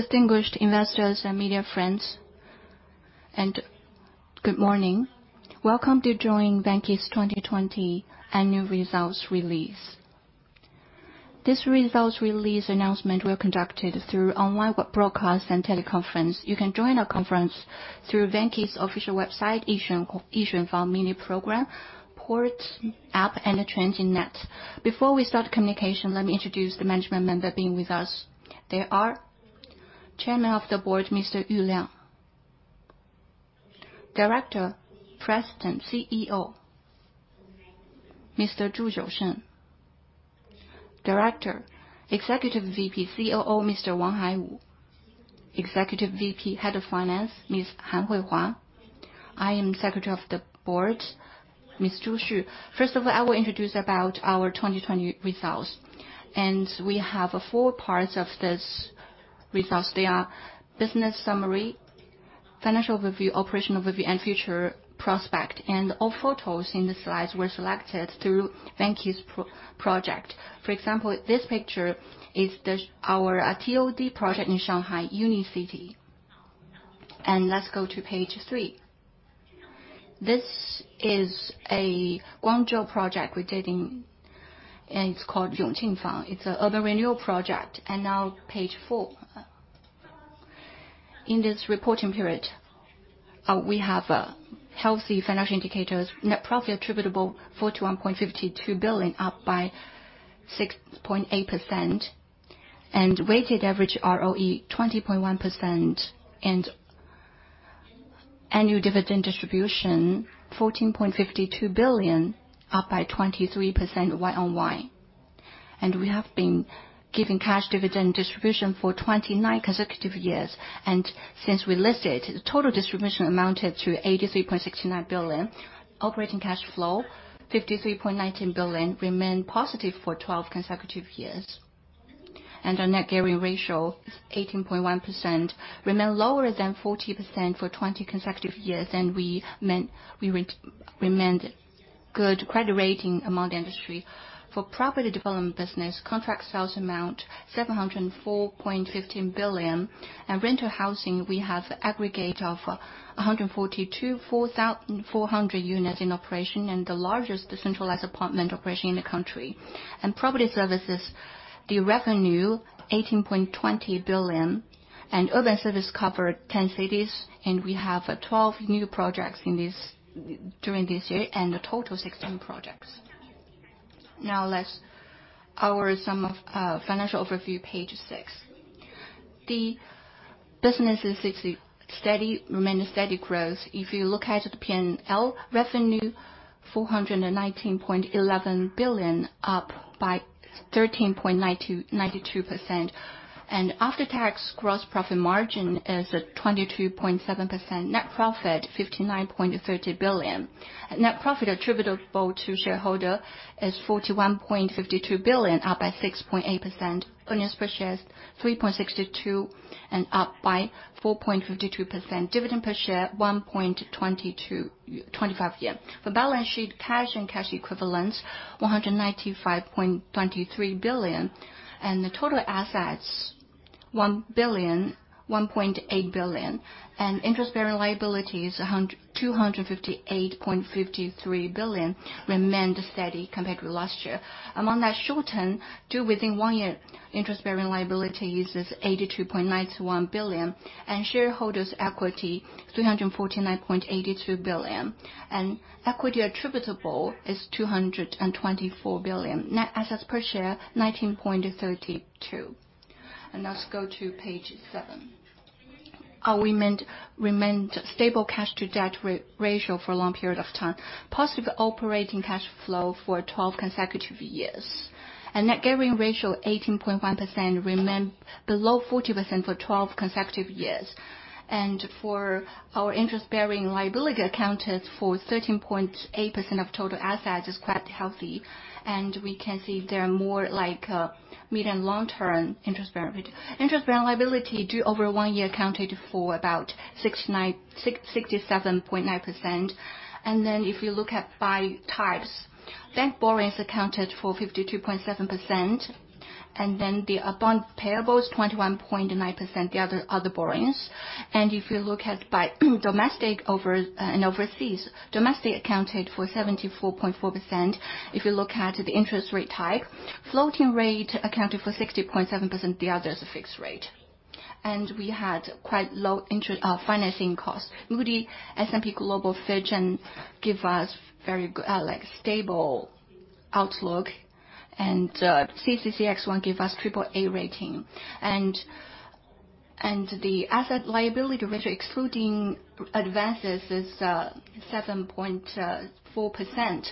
Distinguished investors and media friends, good morning. Welcome to joining Vanke's 2020 Annual Results Release. This results release announcement was conducted through online broadcast and teleconference. You can join our conference through Vanke's official website, Yixuanfang mini program, Port App, and the [Transin Net]. Before we start communication, let me introduce the management members being with us. They are Chairman of the Board, Mr. Yu Liang. Director, President, CEO, Mr. Zhu Jiusheng. Director, Executive VP, COO, Mr. Wang Haiwu. Executive VP, Head of Finance, Ms. Han Huihua. I am Secretary of the Board, Ms. Zhu Xu. First of all, I will introduce about our 2020 results. We have four parts of these results. They are business summary, financial review, operational review, and future prospect. All photos in the slides were selected through Vanke's project. For example, this picture is our TOD project in Shanghai, Uni City. Let's go to page three. This is a Guangzhou project we did, and it's called Yongqing Fang. It's an urban renewal project. Now, page four. In this reporting period, we have healthy financial indicators. Net profit attributable, 41.52 billion, up by 6.8%. Weighted average ROE 20.1%, and annual dividend distribution 14.52 billion, up by 23% year-over-year. We have been giving cash dividend distribution for 29 consecutive years. Since we listed, the total distribution amounted to 83.69 billion. Operating cash flow, 53.19 billion, remained positive for 12 consecutive years. Our net gearing ratio is 18.1%, remained lower than 40% for 20 consecutive years, and we remained good credit rating among the industry. For property development business, contract sales amount, 704.15 billion. Rental housing, we have aggregate of 142,400 units in operation, and the largest decentralized apartment operation in the country. Property services, the revenue, 18.20 billion. Urban service cover 10 cities, and we have 12 new projects during this year, and a total of 16 projects. Now, our summary of financial overview, page six. The business remained steady growth. If you look at the P&L revenue, 419.11 billion, up by 13.92%. After-tax gross profit margin is at 22.7%. Net profit, 59.30 billion. Net profit attributable to shareholder is 41.52 billion, up by 6.8%. Earnings per share is 3.62 and up by 4.52%. Dividend per share, 1.25. The balance sheet, cash and cash equivalents, 195.23 billion. The total assets, 1.8 trillion. Interest-bearing liabilities, 258.53 billion, remained steady compared to last year. Among that short-term, due within one year, interest-bearing liabilities is 82.91 billion. Shareholders equity, 349.82 billion. Equity attributable is 224 billion. Net assets per share, 19.32. Let's go to page seven. We remained stable cash to debt ratio for a long period of time. Positive operating cash flow for 12 consecutive years. Net gearing ratio, 18.1%, remained below 40% for 12 consecutive years. For our interest-bearing liability accounted for 13.8% of total assets is quite healthy, and we can see they are more like mid and long-term interest-bearing. Interest-bearing liability due over one year accounted for about 67.9%. If you look at by types, bank borrowings accounted for 52.7%, and then the bond payables 21.9%, the other borrowings. If you look at by domestic and overseas, domestic accounted for 74.4%. If you look at the interest rate type, floating rate accounted for 60.7%, the other is a fixed rate. We had quite low financing costs. Moody's, S&P Global, Fitch give us very stable outlook, and CCXI give us AAA rating. The asset liability ratio excluding advances is 7.4%.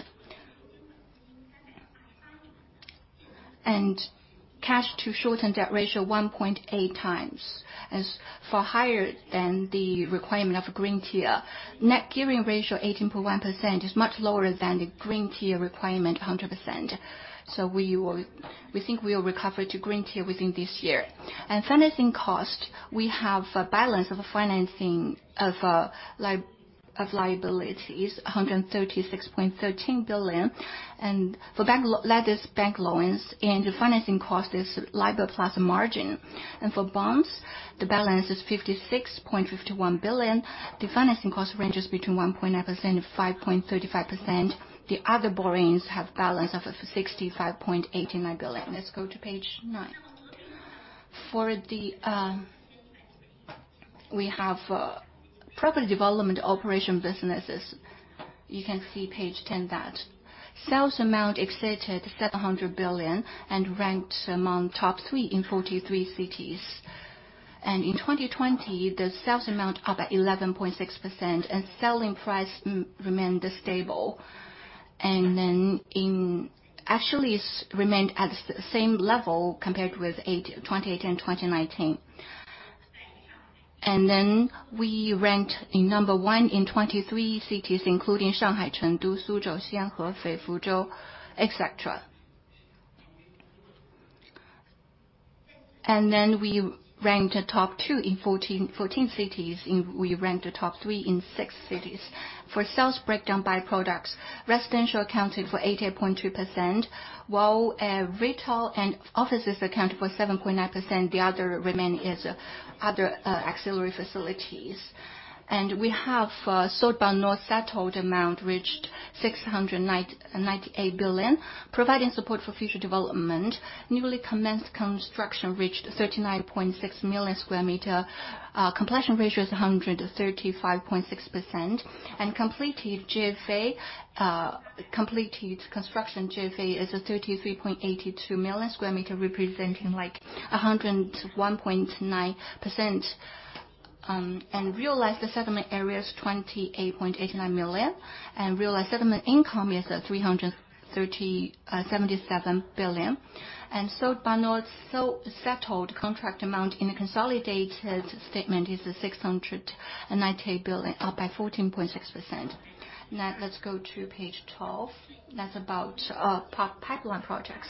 Cash to short-term debt ratio 1.8x, is far higher than the requirement of green tier. Net gearing ratio 18.1% is much lower than the green tier requirement of 100%. We think we will recover to green tier within this year. Financing cost, we have a balance of financing of liabilities, 136.13 billion. For lenders, bank loans and refinancing cost is LIBOR plus margin. For bonds, the balance is 56.51 billion. The financing cost ranges between 1.9% and 5.35%. The other borrowings have a balance of 65.89 billion. Let's go to page nine. We have property development operation businesses. You can see page 10 that sales amount exceeded 700 billion and ranked among top three in 43 cities. In 2020, the sales amount up 11.6% and selling price remained stable. Actually, remained at the same level compared with 2018 and 2019. We ranked number one in 23 cities, including Shanghai, Chengdu, Suzhou, Xian, Hefei, Fuzhou, et cetera. We ranked top two in 14 cities, and we ranked top three in six cities. For sales breakdown by products, residential accounted for 88.2%, while retail and offices accounted for 7.9%, the other remaining is other auxiliary facilities. We have sold but not settled amount reached 698 billion, providing support for future development. Newly commenced construction reached 39.6 million sq m. Completion ratio is 135.6%. Completed GFA, completed construction GFA is 33.82 million sq m, representing 101.9%. Realized settlement area is 28.89 million. Realized settlement income is 377 billion. Sold but not settled contract amount in the consolidated statement is 698 billion, up by 14.6%. Now let's go to page 12. That's about pipeline projects.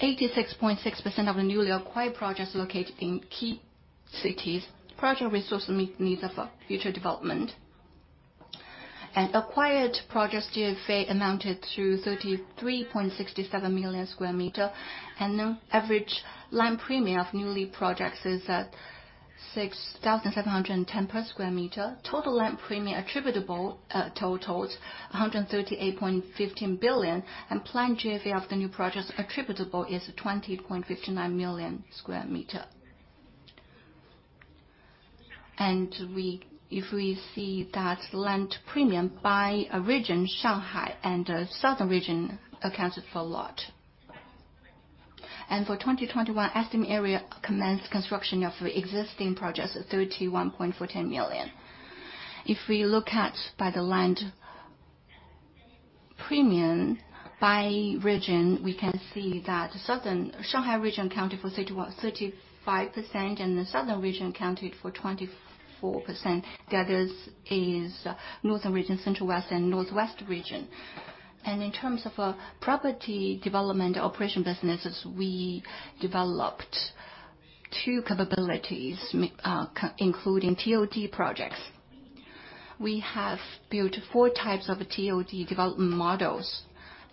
86.6% of the newly acquired projects located in key cities. Project resource meet needs of future development. Acquired project GFA amounted to 33.67 million sq m. Average land premium of newly projects is at 6,710 per sq m. Total land premium attributable totals 138.15 billion, and planned GFA of the new projects attributable is 20.59 million sq m. If we see that land premium by region, Shanghai and the southern region accounted for a lot. For 2021, estimated area commenced construction of existing projects, 31.40 million sq m. If we look at by the land premium by region, we can see that Shanghai region accounted for 35% and the southern region accounted for 24%. The others is northern region, central west, and northwest region. In terms of our property development operation businesses, we developed two capabilities, including TOD projects. We have built four types of TOD development models,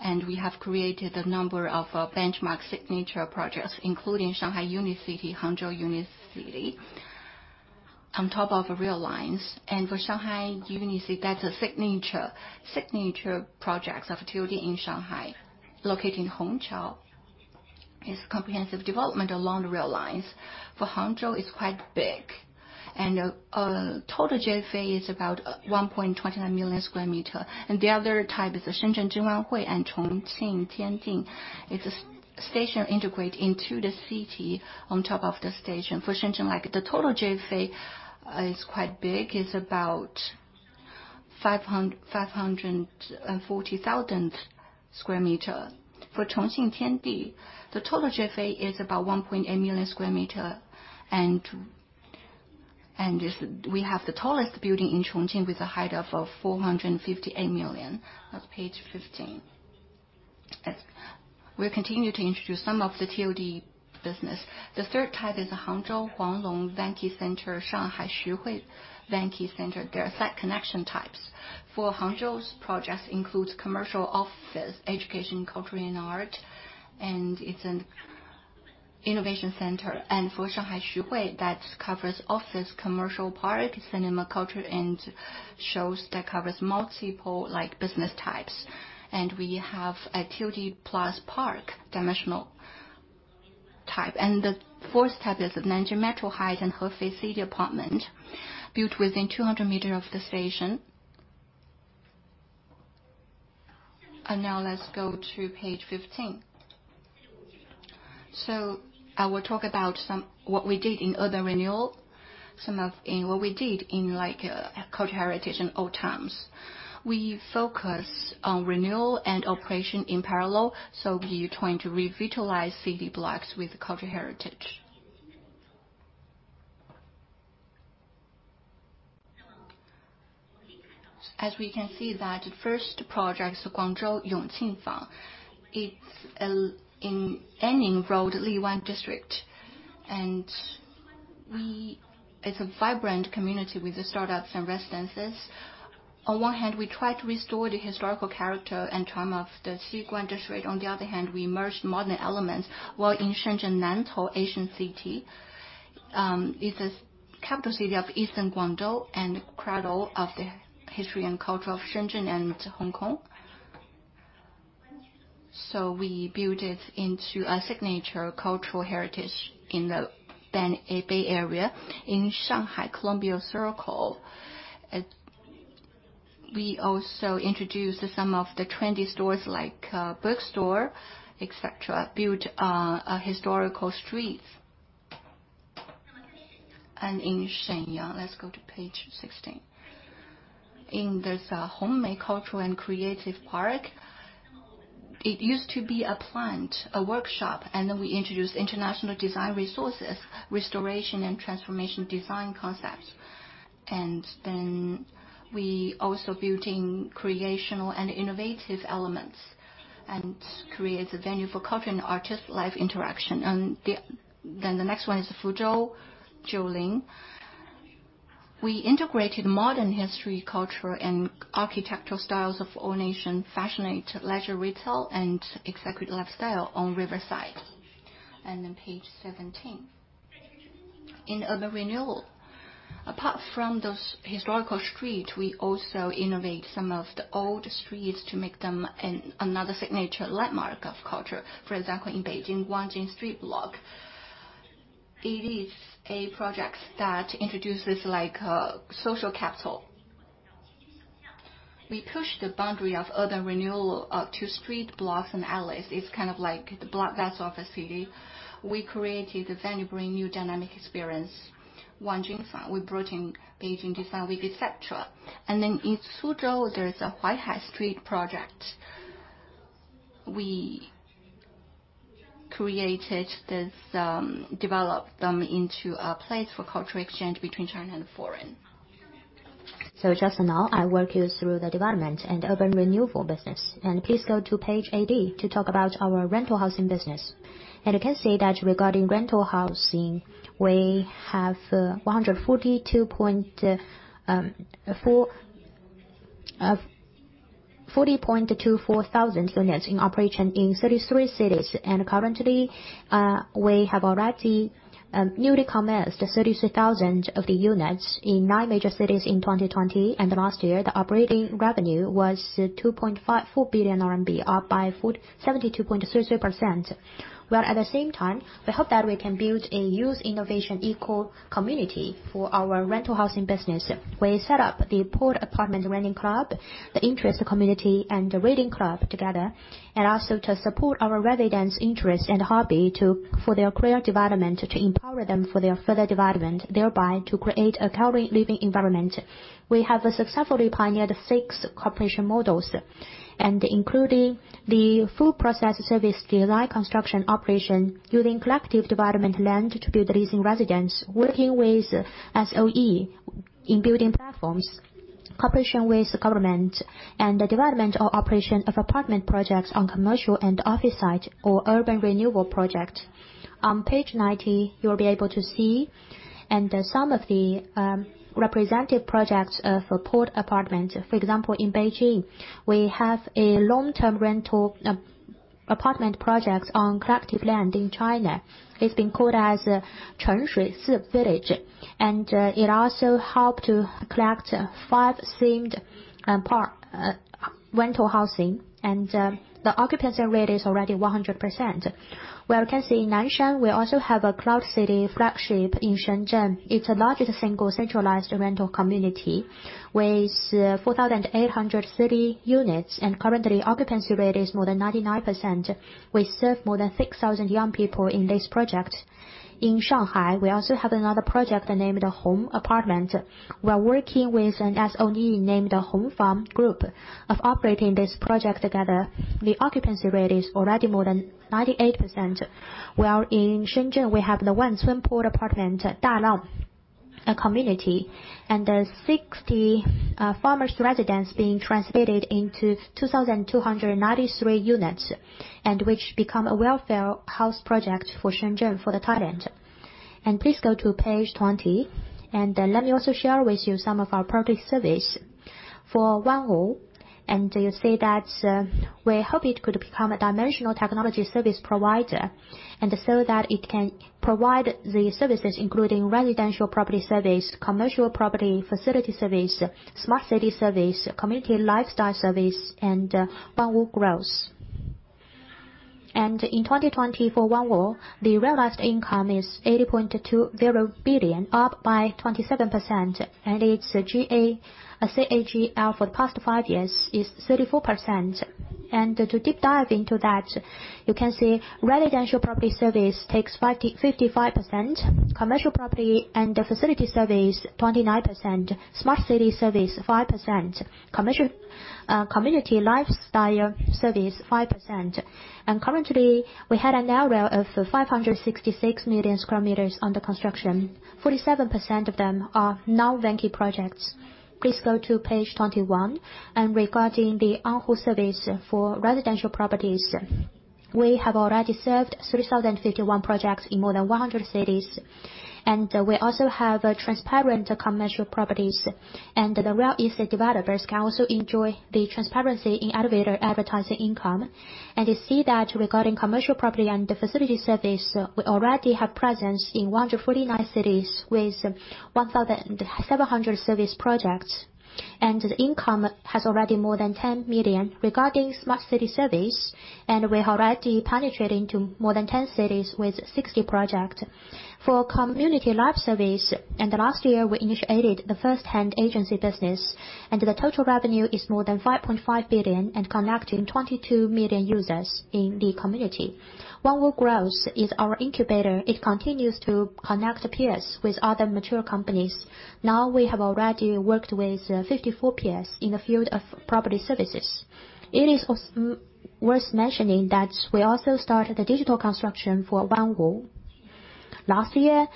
and we have created a number of benchmark signature projects, including Shanghai Uni City, Hangzhou Uni City, on top of rail lines. For Shanghai Uni City, that's a signature project of TOD in Shanghai, located in Hongqiao. It's comprehensive development along the rail lines. For Hangzhou, it's quite big. Total GFA is about 1.29 million sq m. The other type is the Shenzhen Jinguanhui and Chongqing Tiandi. It's a station integrated into the city on top of the station. For Shenzhen, the total GFA is quite big, is about 540,000 sq m. For Chongqing Tiandi, the total GFA is about 1.8 million sq m. We have the tallest building in Chongqing with a height of 458 million. Page 15. We'll continue to introduce some of the TOD business. The third type is the Hangzhou Huanglong Vanke Center, Shanghai Xuhui Vanke Center. They are site connection types. For Hangzhou's projects includes commercial office, education, culture and art, and it's an innovation center. For Shanghai Xuhui, that covers office, commercial park, cinema, culture and shows that covers multiple business types. We have a TOD plus park dimensional type. The fourth type is the Nanjing Metro Height and Hefei City Apartment, built within 200 m of the station. Now let's go to page 15. I will talk about what we did in urban renewal, some of what we did in cultural heritage and old towns. We focus on renewal and operation in parallel, so we are trying to revitalize city blocks with cultural heritage. We can see that first project, Guangzhou Yongqing Fang, it's in Enning Road, Liwan District. It's a vibrant community with the startups and residences. On one hand, we try to restore the historical character and charm of the Xiguan District. On the other hand, we merge modern elements while in Shenzhen Nantou Ancient City. It's the capital city of Eastern Guangdong and cradle of the history and culture of Shenzhen and Hong Kong. We built it into a signature cultural heritage in the Bay Area. In Shanghai, Columbia Circle, we also introduced some of the trendy stores like bookstore, et cetera, built historical streets. In Shenyang, let's go to page 16. There's a Hongmei Cultural Park. It used to be a plant, a workshop, we introduced international design resources, restoration and transformation design concepts. We also built in creational and innovative elements and created a venue for culture and artist life interaction. The next one is Fuzhou, [Zhoulin]. We integrated modern history, culture, and architectural styles of all nation, fashioned leisure retail, and executive lifestyle on Riverside. Page 17. In urban renewal, apart from those historical streets, we also innovate some of the old streets to make them another signature landmark of culture. For example, in Beijing, Wangjing street block. It is a project that introduces a social capital. We push the boundary of urban renewal to street blocks and alleys. It's kind of like the blood vessels of a city. We created a very brand-new dynamic experience, Wangjing Sanli. We brought in Beijing Design Week, et cetera. In Suzhou, there is a Huaihai Street project. We developed them into a place for cultural exchange between China and foreign. Just now, I walk you through the development and urban renewal business. Please go to page 80 to talk about our rental housing business. You can see that regarding rental housing; we have 142,400 units in operation in 33 cities. Currently, we have already newly commenced 33,000 of the units in nine major cities in 2020. Last year, the operating revenue was 2.54 billion RMB, up by 72.33%. At the same time, we hope that we can build a youth innovation eco community for our rental housing business. We set up the Port Apartment Reading Club that interests the community and the reading club together, and also to support our residents' interests and hobby for their career development, to empower them for their further development, thereby to create a caring living environment. We have successfully pioneered six cooperation models, and including the full process service design, construction, operation, using collective development land to build leasing residence, working with SOE in building platforms, cooperation with the government, and the development or operation of apartment projects on commercial and office site or urban renewal project. On page 90, you'll be able to see some of the representative projects of Port Apartment. For example, in Beijing, we have a long-term rental apartment project on collective land in China. It's been called as Chengshousi Village, and it also helped to collect five themed rental housing, and the occupancy rate is already 100%. Where you can see in Nanshan, we also have a Cloud City flagship in Shenzhen. It's the largest single centralized rental community with 4,830 units, and currently, occupancy rate is more than 99%. We serve more than 6,000 young people in this project. In Shanghai, we also have another project named Port Apartment. We are working with an SOE named the Hong Fan Group of operating this project together. The occupancy rate is already more than 98%, while in Shenzhen, we have the Wansheng Port Apartment Dalang Community, and 60 farmers' residents being translated into 2,293 units, and which become a welfare house project for Shenzhen for the talent. Please go to page 20, and let me also share with you some of our property service for Wanwu. You see that we hope it could become a dimensional technology service provider, and so that it can provide the services including residential property service, commercial property facility service, smart city service, community lifestyle service, and Wanwu Growth. In 2020 for Wanwu, the realized income is 18.20 billion, up by 27%, and its CAGR for the past five years is 34%. To deep dive into that, you can see residential property service takes 55%, commercial property and facility service 29%, smart city service 5%, community lifestyle service 5%. Currently, we had an ARL of 566 million sq under construction, 47% of them are non-Vanke projects. Please go to page 21. Regarding the Anxinjia service for residential properties, we have already served 3,051 projects in more than 100 cities. We also have transparent commercial properties. The real estate developers can also enjoy the transparency in elevator advertising income. You see that regarding commercial property and the facility service, we already have presence in 149 cities with 1,700 service projects. The income has already more than 10 million regarding smart city service, and we already penetrate into more than 10 cities with 60 projects. For community life service, in the last year, we initiated the first-hand agency business, and the total revenue is more than 5.5 billion and connecting 22 million users in the community. Wanwu Growth is our incubator. It continues to connect peers with other mature companies. Now we have already worked with 54 peers in the field of property services. It is worth mentioning that we also started the digital construction for Wanwu. Last year,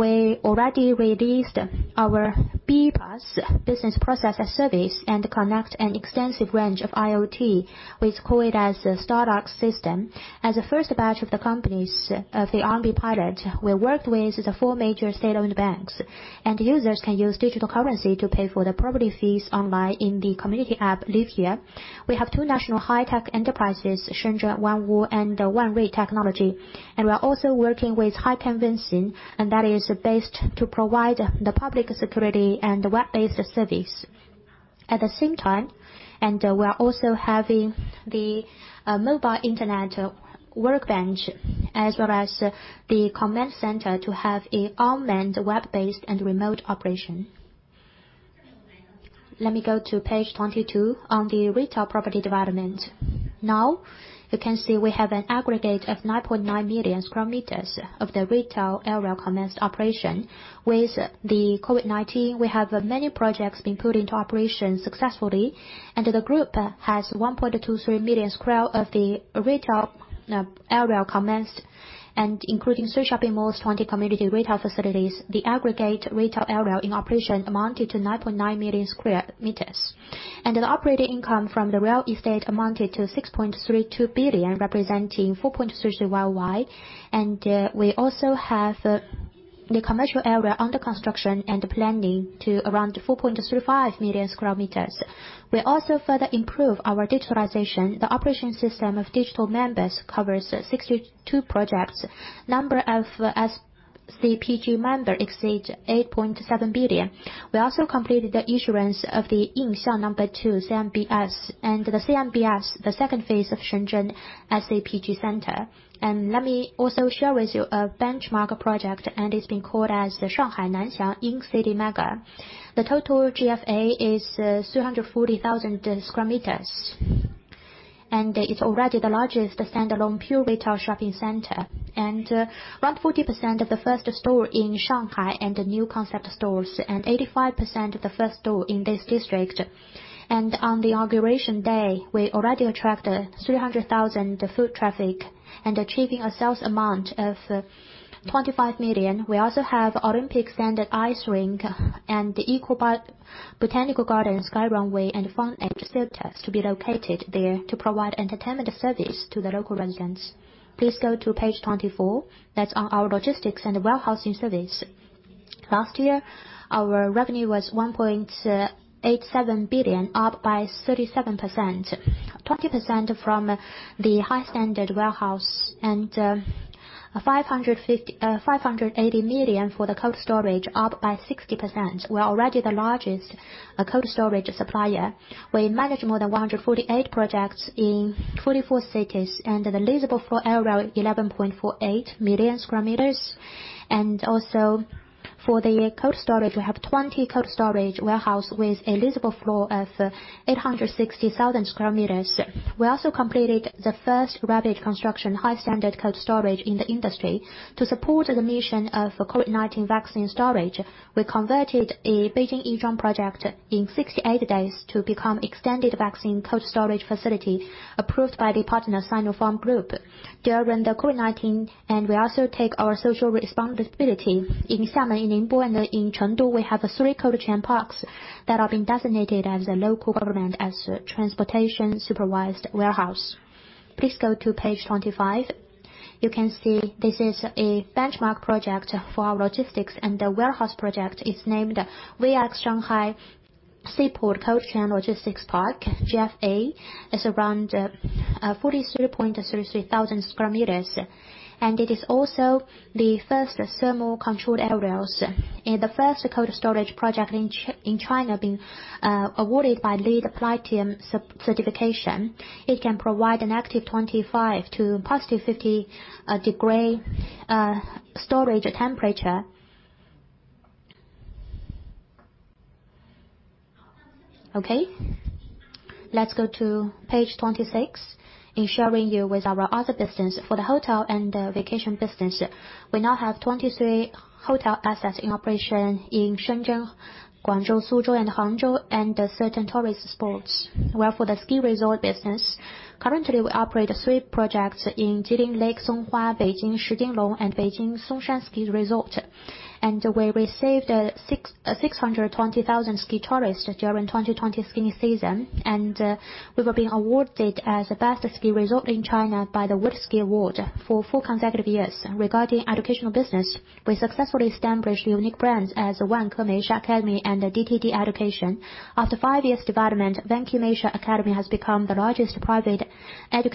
we already released our BPaaS, Business Process as a Service, and connect an extensive range of IoT. We call it as a Stardust System. As the first batch of the companies of the RMB pilot, we worked with the four major state-owned banks, and users can use digital currency to pay for the property fees online in the community app, Zhuzher. We have two national high tech enterprises, Shenzhen Wanwu and Wanwei Technology, and we are also working with Hikvision, and that is based to provide the public security and web-based service. At the same time, we are also having the mobile internet workbench as well as the command center to have an unmanned, web-based, and remote operation. Let me go to page 22 on the retail property development. Now, you can see we have an aggregate of 9.9 million sq m of the retail area commenced operation. With the COVID-19, we have many projects been put into operation successfully, and the group has 1.23 million sq m of the retail area commenced and including social shopping malls, 20 community retail facilities. The aggregate retail area in operation amounted to 9.9 million sq m. The operating income from the real estate amounted to 6.32 billion, representing 4.31%. We also have the commercial area under construction and planning to around 4.35 million sq m. We also further improve our digitalization. The operation system of digital members covers 62 projects. Number of SCPG member exceeds 8.7 billion. We also completed the issuance of the Yinxiang number 2 CMBS and the CMBS, the second phase of Shenzhen SCPG Center. Let me also share with you a benchmark project, and it's been called as the Shanghai Nanxiang Incity MEGA. The total GFA is 340,000 sq m, and it's already the largest standalone pure retail shopping center, and around 40% of the first store in Shanghai and new concept stores and 85% of the first store in this district. On the inauguration day, we already attract 300,000 foot traffic and achieving a sales amount of 25 million. We also have Olympic standard ice rink and the Eco Botanical Garden, Sky Runway, and fun edge theaters to be located there to provide entertainment service to the local residents. Please go to page 24. That is on our logistics and warehousing service. Last year, our revenue was 1.87 billion, up by 37%, 20% from the high standard warehouse and 580 million for the cold storage, up by 60%. We are already the largest cold storage supplier. We manage more than 148 projects in 24 cities and the leasable floor area 11.48 million sq m. Also for the cold storage, we have 20 cold storage warehouse with a leasable floor of 860,000 sq m. We also completed the first rapid construction high standard cold storage in the industry to support the mission of COVID-19 vaccine storage. We converted a Beijing Yizhuang project in 68 days to become extended vaccine cold storage facility approved by the partner Sinopharm Group during the COVID-19. We also take our social responsibility. In Xiamen, in Ningbo, and in Chengdu, we have three cold chain parks that are being designated as a local government as a transportation supervised warehouse. Please go to page 25. You can see this is a benchmark project for our logistics and the warehouse project. It is named VX Shanghai Seaport Cold Chain Logistics Park. GFA is around 43.33 thousand sq m. It is also the first thermal controlled areas and the first cold storage project in China being awarded by LEED Platinum certification. It can provide an active 25 to +50 degree storage temperature. Okay. Let's go to page 26, in sharing with you our other business. For the hotel and vacation business, we now have 23 hotel assets in operation in Shenzhen, Guangzhou, Suzhou, and Hangzhou, and certain tourist spots. While for the ski resort business, currently we operate three projects in Jilin Songhua Lake, Beijing Shijinglong, and Beijing Songshan ski resort. We received 620,000 ski tourists during the 2020 skiing season, and we were awarded as the best ski resort in China by the World Ski Awards for four consecutive years. Regarding educational business, we successfully established unique brands as Vanke Meisha Academy and DTD Education. After five years of development, Vanke Meisha Academy has become the largest private educational group in Shenzhen. Vanke Meisha Academy is also listed on the Hurun Education Top 100 International Schools for three consecutive years. It ranks third in Shenzhen in 2020. For DTD, together, it has already 90,000 enrolled students. Go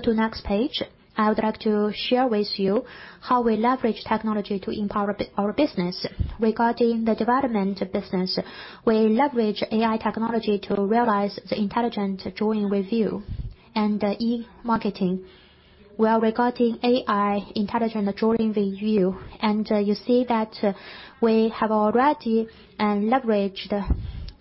to the next page. I would like to share with you how we leverage technology to empower our business. Regarding the development business, we leverage AI technology to realize the intelligent drawing review and e-marketing. Regarding AI intelligent drawing review, you see that we have already leveraged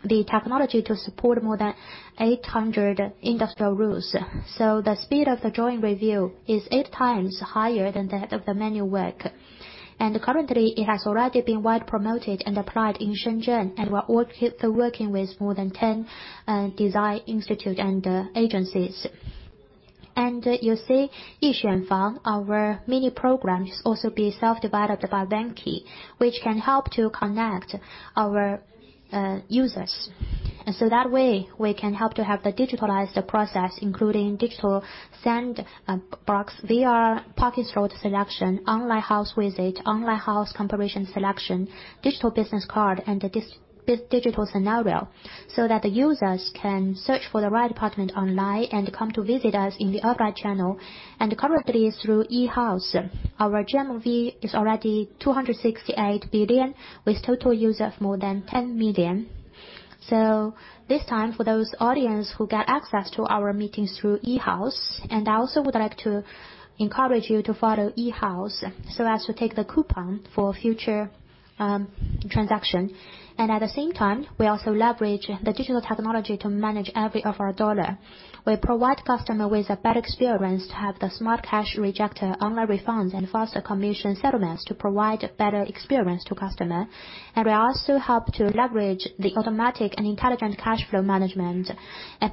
the technology to support more than 800 industrial rules. The speed of the drawing review is 8x higher than that of the manual work. Currently, it has already been wide promoted and applied in Shenzhen, and we are also working with more than 10 design institutes and agencies. You see, Yixuanfang, our mini program, is also being self-developed by Vanke, which can help to connect our users. That way, we can help to have the digitalized process, including digital sandbox, VR package road selection, online house visit, online house comparison selection, digital business card, and this digital scenario, so that the users can search for the right apartment online and come to visit us in the upright channel. Currently, through E-House, our GMV is already 268 billion, with a total user of more than 10 million. This time, for those in the audience who get access to our meetings through E-House, I also would like to encourage you to follow E-House, so as to take the coupon for future transactions. At the same time, we also leverage digital technology to manage every one of our dollars. We provide customers with a better experience to have the smart cash register, online refunds, and faster commission settlements to provide a better experience to customers. We also help to leverage the automatic and intelligent cash flow management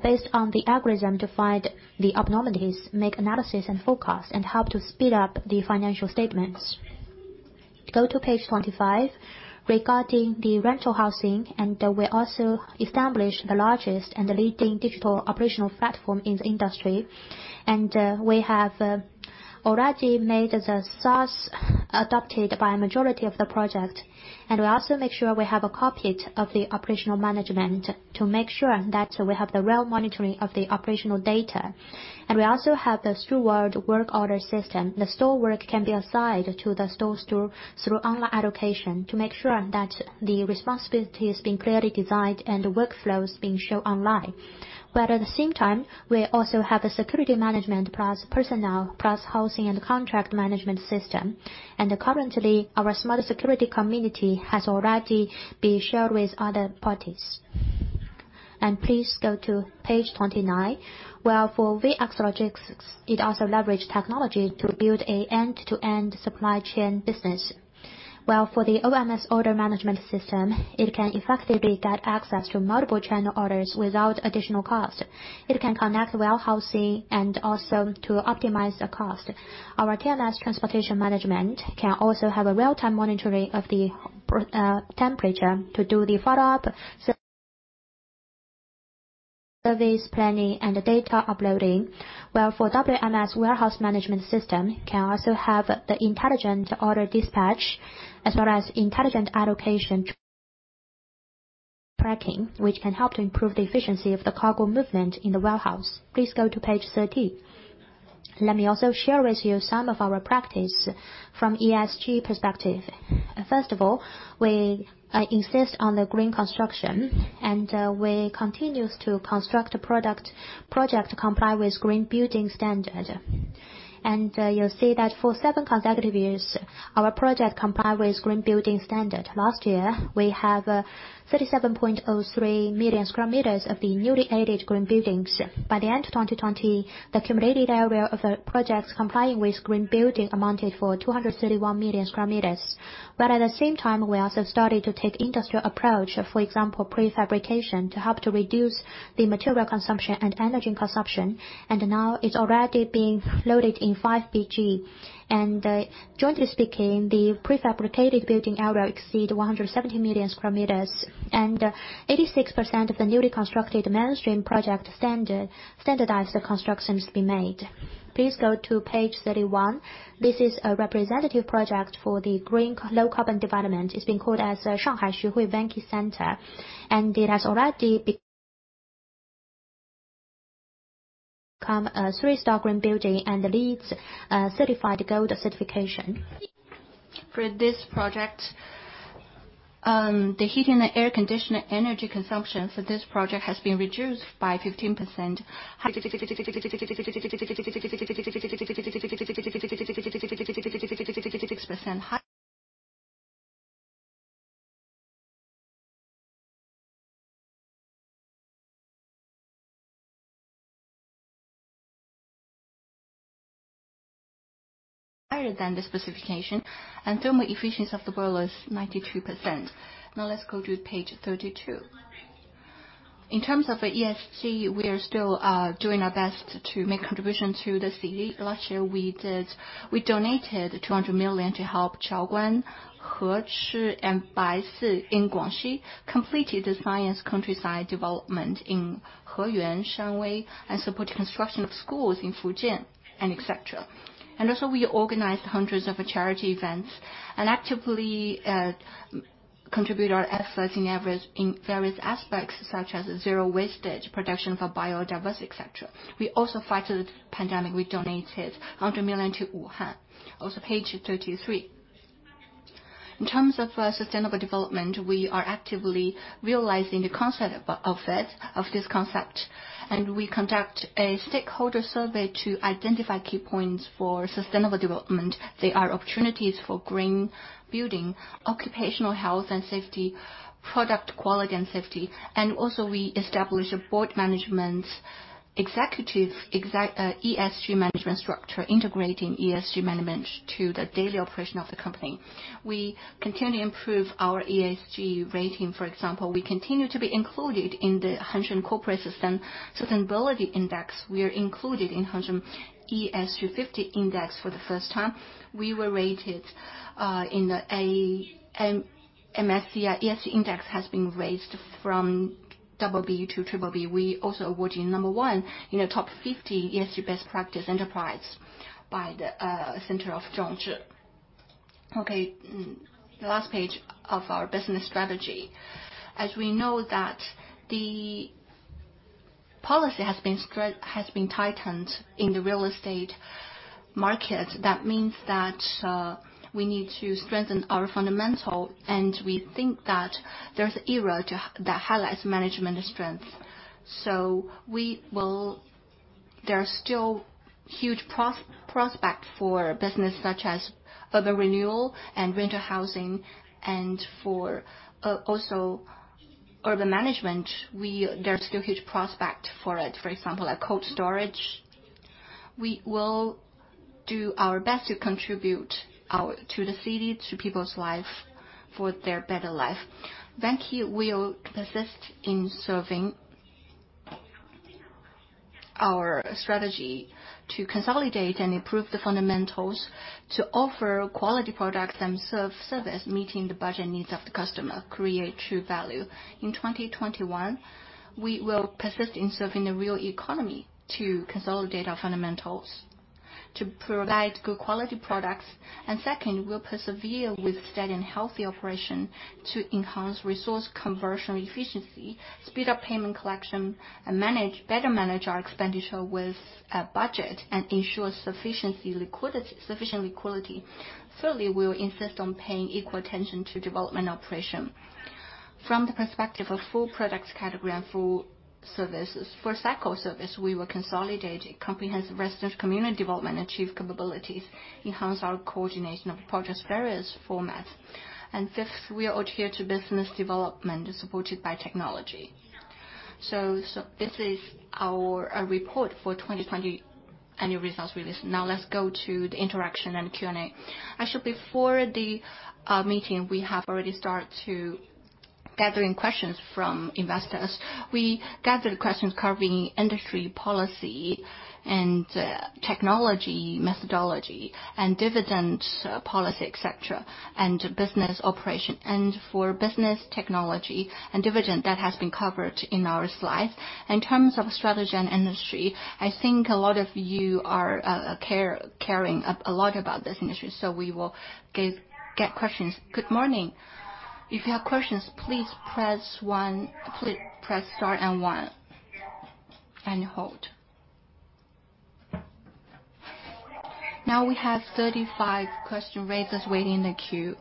based on the algorithm to find the abnormalities, make analysis and forecasts, and help to speed up the financial statements. Go to page 25. Regarding the rental housing, we also established the largest and leading digital operational platform in the industry. We have already made the SaaS adopted by a majority of the projects. We also make sure we have a copy of the operational management to make sure that we have the real monitoring of the operational data. We also have the steward work order system. The steward work can be assigned to the stewards through online allocation to make sure that the responsibility is being clearly designed and the workflows being shown online. At the same time, we also have a security management plus personnel plus housing and contract management system. Currently, our smart security community has already been shared with other parties. Please go to page 29. For VX Logistics, it also leverages technology to build an end-to-end supply chain business. For the OMS order management system, it can effectively get access to multiple channel orders without additional cost. It can connect warehousing and also optimize the cost. Our TMS transportation management can also have real-time monitoring of the temperature to do the follow-up, service planning, and data uploading, while for WMS, warehouse management system, can also have the intelligent order dispatch as well as intelligent allocation tracking, which can help to improve the efficiency of the cargo movement in the warehouse. Please go to page 30. Let me also share with you some of our practices from the ESG perspective. First of all, we insist on green construction, we continue to construct projects that comply with green building standards. You'll see that for seven consecutive years; our projects comply with green building standards. Last year, we had 37.03 million sq m of newly added green buildings. By the end of 2020, the accumulated area of projects complying with green buildings amounted to 231 million sq m. At the same time, we also started to take an industrial approach, for example, prefabrication, to help to reduce material consumption and energy consumption, and now it's already being loaded in [5BG]. Jointly speaking, the prefabricated building area exceeds 170 million sq m, and 86% of the newly constructed mainstream project standardized constructions have been made. Please go to page 31. This is a representative project for the green low-carbon development. It's been called the Shanghai Xuhui Vanke Center, and it has already been. Become a three-star green building and LEED certified Gold certification. For this project, the heating and air conditioning energy consumption for this project has been reduced by 15%. Higher than the specification, thermal efficiency of the boiler is 92%. Now let's go to page 32. In terms of ESG, we are still doing our best to make contribution to the city. Last year, we donated 200 million to help Shaoguan, Hechi, and Baise in Guangxi, completed the science countryside development in Heyuan, Shanwei, and support construction of schools in Fujian, et cetera. Also, we organized hundreds of charity events and actively contribute our efforts in various aspects such as zero wastage production for biodiversity, et cetera. We also fight the pandemic. We donated 100 million to Wuhan. Also, page 33. In terms of sustainable development, we are actively realizing the concept of this concept, we conduct a stakeholder survey to identify key points for sustainable development. They are opportunities for green building, occupational health and safety, product quality and safety. Also, we establish a board management executive, ESG management structure, integrating ESG management to the daily operation of the company. We continue to improve our ESG rating. For example, we continue to be included in the Hang Seng Corporate Sustainability Index. We are included in Hang Seng ESG 50 Index for the first time. We were rated in the MSCI ESG index has been raised from double B to triple B. We also awarded number one in the top 50 ESG best practice enterprise by the [Center of Zhongzhi]. Okay. Last page of our business strategy. We know that the policy has been tightened in the real estate market. That means that we need to strengthen our fundamental, and we think that there's era that highlights management strength. There are still huge prospect for business such as urban renewal and rental housing and for also urban management, there are still huge prospect for it. For example, like cold storage. We will do our best to contribute to the city, to people's lives for their better life. Vanke will persist in serving our strategy to consolidate and improve the fundamentals to offer quality products and service meeting the budget needs of the customer, create true value. In 2021, we will persist in serving the real economy to consolidate our fundamentals, to provide good quality products. Second, we'll persevere with steady and healthy operation to enhance resource conversion efficiency, speed up payment collection, and better manage our expenditure with a budget and ensure sufficient liquidity. Thirdly, we'll insist on paying equal attention to development operation. From the perspective of full products category and full services. For cycle service, we will consolidate comprehensive resident community development and chief capabilities, enhance our coordination of project's various formats. Fifth, we adhere to business development supported by technology. This is our report for 2020 annual results release. Let's go to the interaction and the Q&A. Actually, before the meeting, we have already start to gathering questions from investors. We gathered questions covering industry policy and technology, methodology, and dividend policy, et cetera, and business operation. For business technology and dividend, that has been covered in our slides. In terms of strategy and industry, I think a lot of you are caring a lot about this industry, so we will get questions. Good morning. If you have questions, please press star and one, and hold. Now we have 35 question raisers waiting in the queue.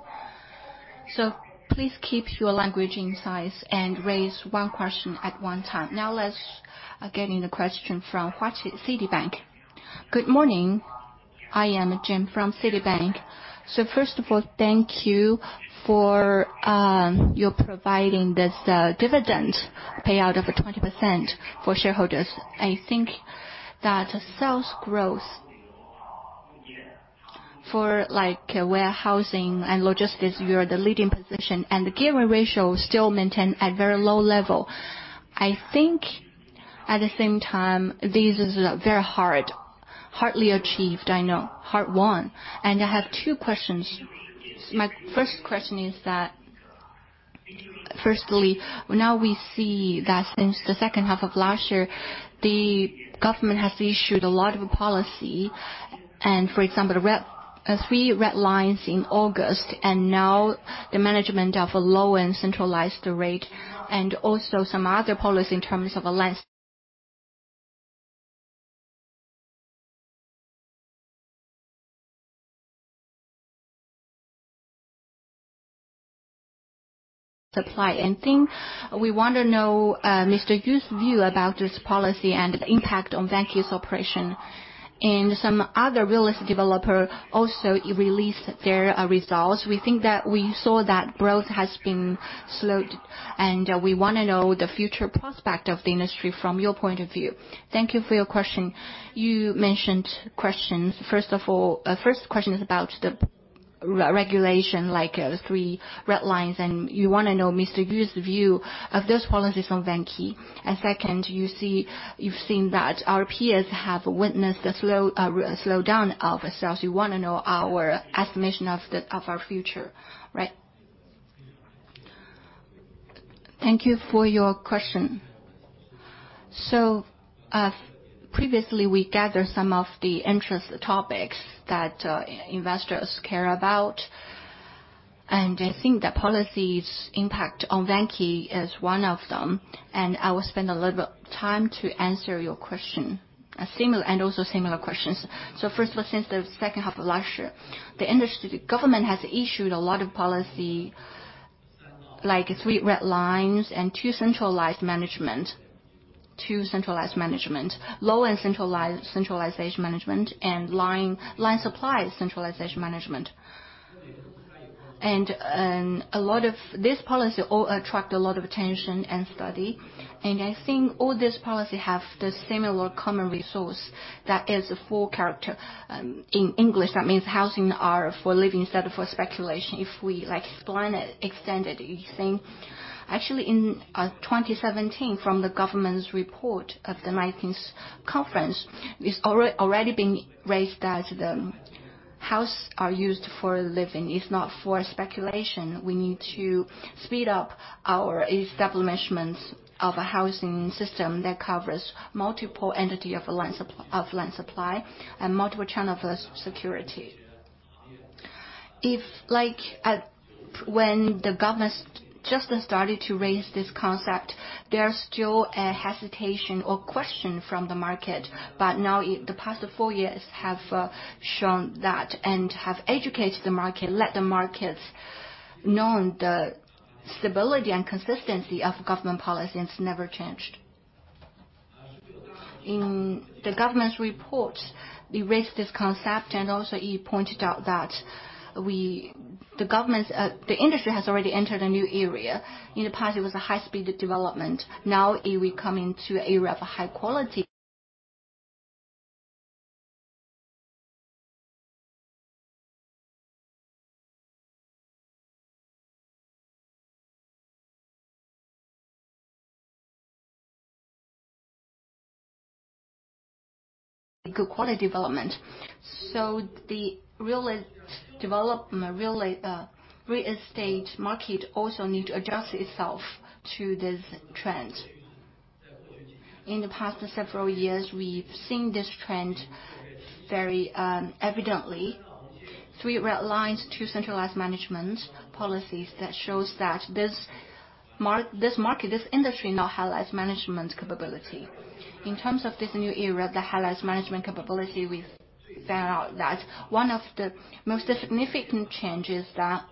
Please keep your language in size and raise one question at one time. Now let's get in the question from Hua Qi, Citibank. Good morning. I am Jim from Citibank. First of all, thank you for your providing this dividend payout of 20% for shareholders. I think that sales growth for warehousing and logistics, you are the leading position, and the gearing ratio still maintain at very low level. I think at the same time, this is very hardly achieved, I know. Hard won. I have two questions. My first question is that, firstly, now we see that since the second half of last year, the government has issued a lot of policy, and for example, the Three Red Lines in August, and now the management of low and centralized rate, and also some other policy in terms of a land supply ending. We want to know Mr. Yu's view about this policy and the impact on Vanke's operation. Some other real estate developer also released their results. We think that we saw that growth has been slowed. We want to know the future prospect of the industry from your point of view. Thank you for your question. You mentioned questions. First question is about the regulation, like Three Red Lines. You want to know Mr. Yu's view of this policy from Vanke. Second, you've seen that our peers have witnessed the slowdown of sales. You want to know our estimation of our future. Right? Thank you for your question. Previously, we gathered some of the interest topics that investors care about, and I think the policy's impact on Vanke is one of them, and I will spend a little bit time to answer your question, and also similar questions. First of all, since the second half of last year, the government has issued a lot of policy like Three Red Lines and two centralized management. Loan and centralization management, and land supply centralization management. This policy all attract a lot of attention and study. I think all this policy have the similar common resource that is four character. In English, that means housing are for living instead of for speculation. If we explain it, extend it, you think. Actually, in 2017, from the government's report of the 19th conference, it's already been raised that the house are used for living. If not for speculation, we need to speed up our establishment of a housing system that covers multiple entity of land supply and multiple channel for security. When the government just started to raise this concept, there are still a hesitation or question from the market, but now the past four years have shown that, and have educated the market, let the markets know the stability and consistency of government policy. It's never changed. In the government's report, they raised this concept and also it pointed out that the industry has already entered a new era. In the past, it was a high-speed development. Now, we come into era of high quality. Good quality development. The real estate market also needs to adjust itself to this trend. In the past several years, we've seen this trend very evidently. Three Red Lines, two centralized management policies that show that this market, this industry now highlights management capability. In terms of this new era that highlights management capability, we found out that one of the most significant changes that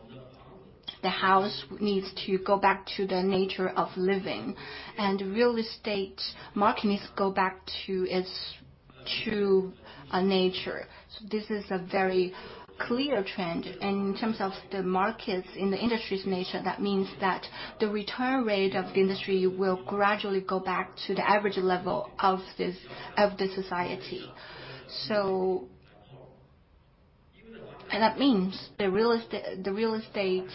the house needs to go back to the nature of living, and real estate market needs to go back to its true nature. This is a very clear trend. In terms of the markets in the industry's nature, that means that the return rate of the industry will gradually go back to the average level of the society. That means the real estate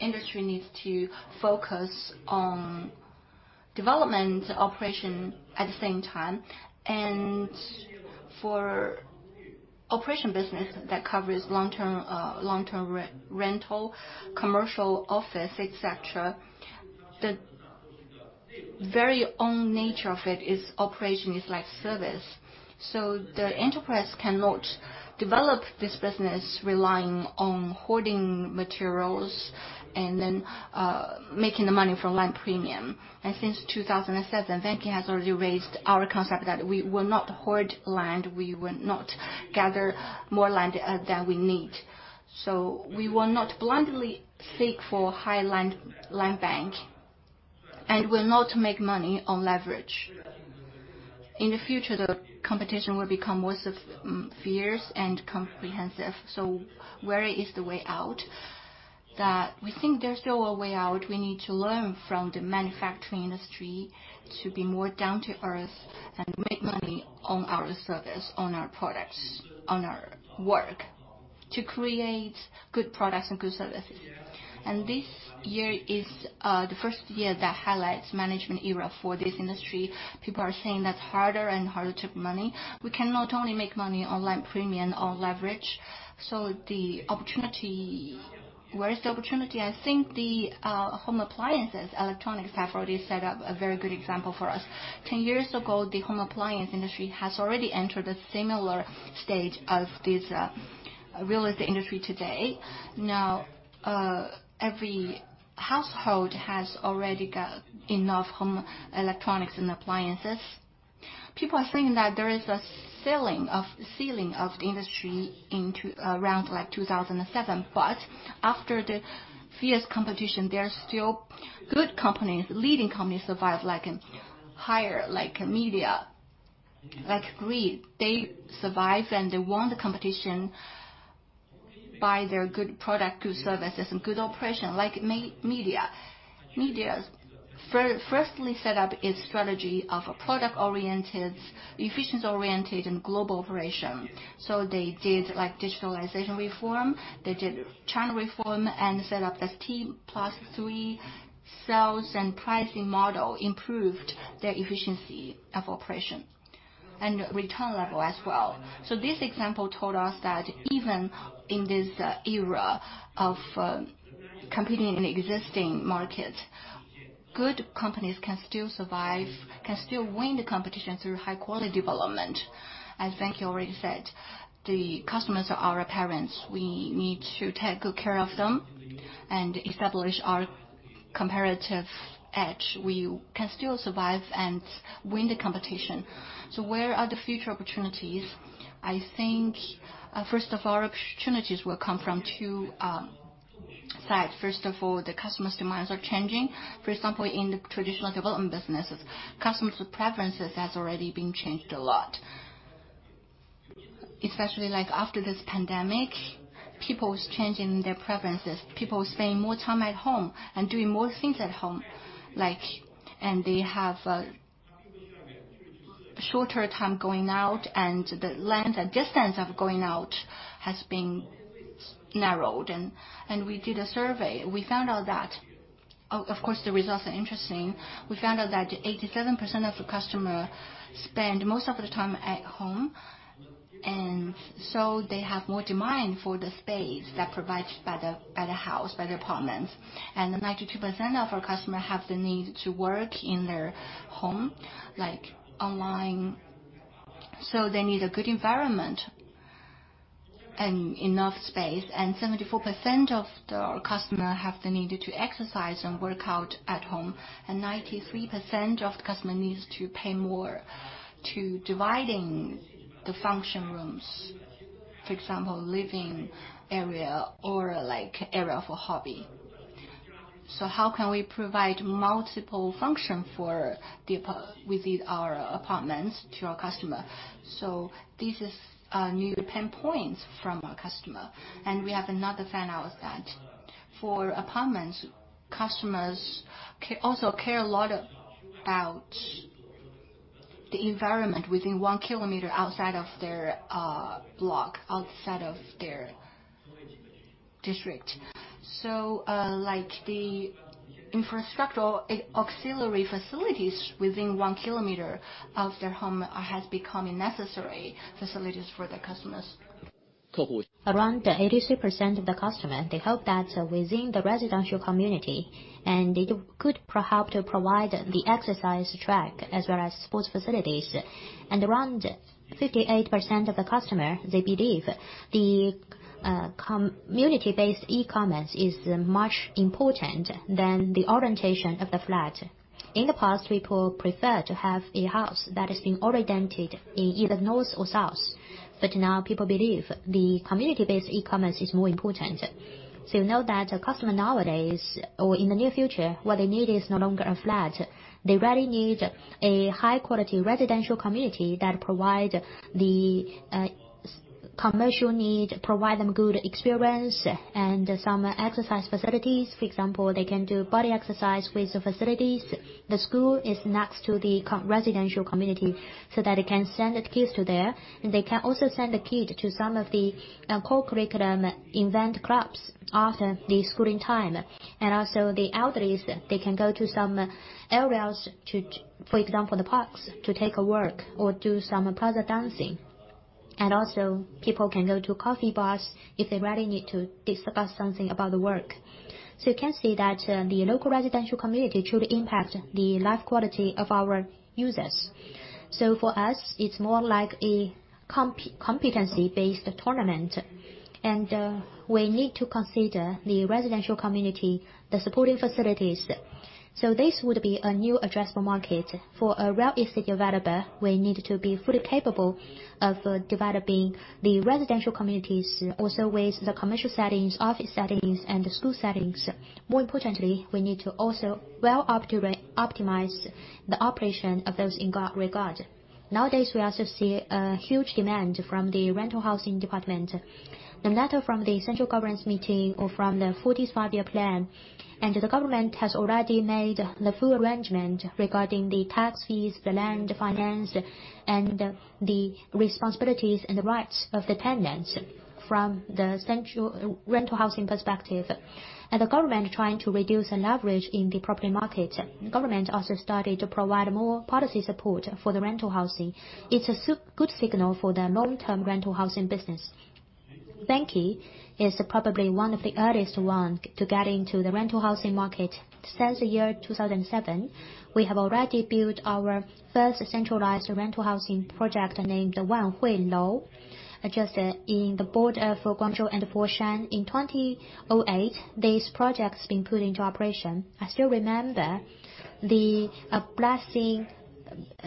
industry needs to focus on development operation at the same time. For operation business that covers long-term rental, commercial office, et cetera, the very own nature of it is operation is like service. The enterprise cannot develop this business relying on hoarding materials and then making the money from land premium. Since 2007, Vanke has already raised our concept that we will not hoard land, we will not gather more land than we need. We will not blindly seek for high land bank, and will not make money on leverage. In the future, the competition will become more fierce and comprehensive. Where is the way out? We think there's still a way out. We need to learn from the manufacturing industry to be more down to earth and make money on our service, on our products, on our work. To create good products and good services. This year is the first year that highlights management era for this industry. People are saying that's harder and harder to make money. We cannot only make money on land premium, on leverage. Where is the opportunity? I think the home appliances, electronics have already set up a very good example for us. 10 years ago, the home appliance industry has already entered a similar stage of this real estate industry today. Now, every household has already got enough home electronics and appliances. People are thinking that there is a ceiling of the industry into around 2007, after the fierce competition, there are still good companies, leading companies survive, like Midea, like Gree. They survive, they won the competition by their good product, good services, and good operation. Like Midea. Midea firstly set up its strategy of a product-oriented, efficiency-oriented, and global operation. They did digitalization reform, they did China reform, and set up this team plus three sales and pricing model, improved their efficiency of operation and return level as well. This example told us that even in this era of competing in existing markets, good companies can still survive, can still win the competition through high-quality development. As Vanke already said, the customers are our parents. We need to take good care of them and establish our comparative edge. We can still survive and win the competition. Where are the future opportunities? I think, first of all, our opportunities will come from two sides. First of all, the customers' demands are changing. For example, in the traditional development businesses, customers' preferences has already been changed a lot. Especially after this pandemic, people's changing their preferences. People are spending more time at home and doing more things at home. They have a shorter time going out, and the length and distance of going out has been narrowed. We did a survey. Of course, the results are interesting. We found out that 87% of the customer spend most of the time at home, and so they have more demand for the space that provided by the house, by the apartments. 92% of our customer have the need to work in their home, like online. They need a good environment and enough space, and 74% of the customer have the need to exercise and work out at home. 93% of the customer needs to pay more to dividing the function rooms. For example, living area or area for hobby. How can we provide multiple function for within our apartments to our customer? This is a new pain points from our customer. We have another found out that for apartments, customers also care a lot about the environment within one kilometer outside of their block, outside of their district. The infrastructural auxiliary facilities within 1 km of their home has become a necessary facilities for the customers. Around 83% of the customer, they hope that within the residential community, it could perhaps provide the exercise track as well as sports facilities. Around 58% of the customer, they believe the community-based e-commerce is much important than the orientation of the flat. In the past, people prefer to have a house that has been oriented in either north or south. Now people believe the community-based e-commerce is more important. You know that a customer nowadays or in the near future, what they need is no longer a flat. They really need a high-quality residential community that provide the commercial need, provide them good experience, and some exercise facilities. For example, they can do body exercise with the facilities. The school is next to the residential community so that they can send the kids to there, and they can also send the kid to some of the co-curriculum event clubs after the schooling time. Also the elders, they can go to some areas, for example, the parks, to take a walk or do some plaza dancing. Also people can go to coffee bars if they really need to discuss something about the work. You can see that the local residential community truly impact the life quality of our users. For us, it's more like a competency-based tournament. We need to consider the residential community, the supporting facilities. This would be a new addressable market. For a real estate developer, we need to be fully capable of developing the residential communities also with the commercial settings, office settings, and the school settings. More importantly, we need to also well optimize the operation of those in regard. Nowadays, we also see a huge demand from the rental housing department. The matter from the central government's meeting or from the 45-year plan, the government has already made the full arrangement regarding the tax fees, the land finance, and the responsibilities and the rights of the tenants from the central rental housing perspective. The government trying to reduce the leverage in the property market. Government also started to provide more policy support for the rental housing. It's a good signal for the long-term rental housing business. Vanke is probably one of the earliest one to get into the rental housing market. Since the year 2007, we have already built our first centralized rental housing project named the just in the border for Guangzhou and Foshan. In 2008, this project has been put into operation. I still remember the blessing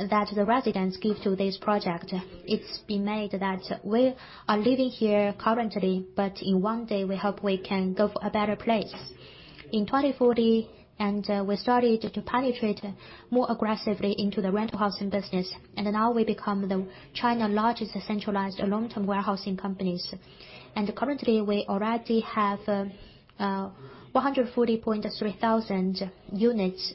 that the residents give to this project. It's been made that we are living here currently, in one day, we hope we can go for a better place. In 2014, we started to penetrate more aggressively into the rental housing business, now we become the China largest centralized long-term housing companies. Currently, we already have 140.3 thousand units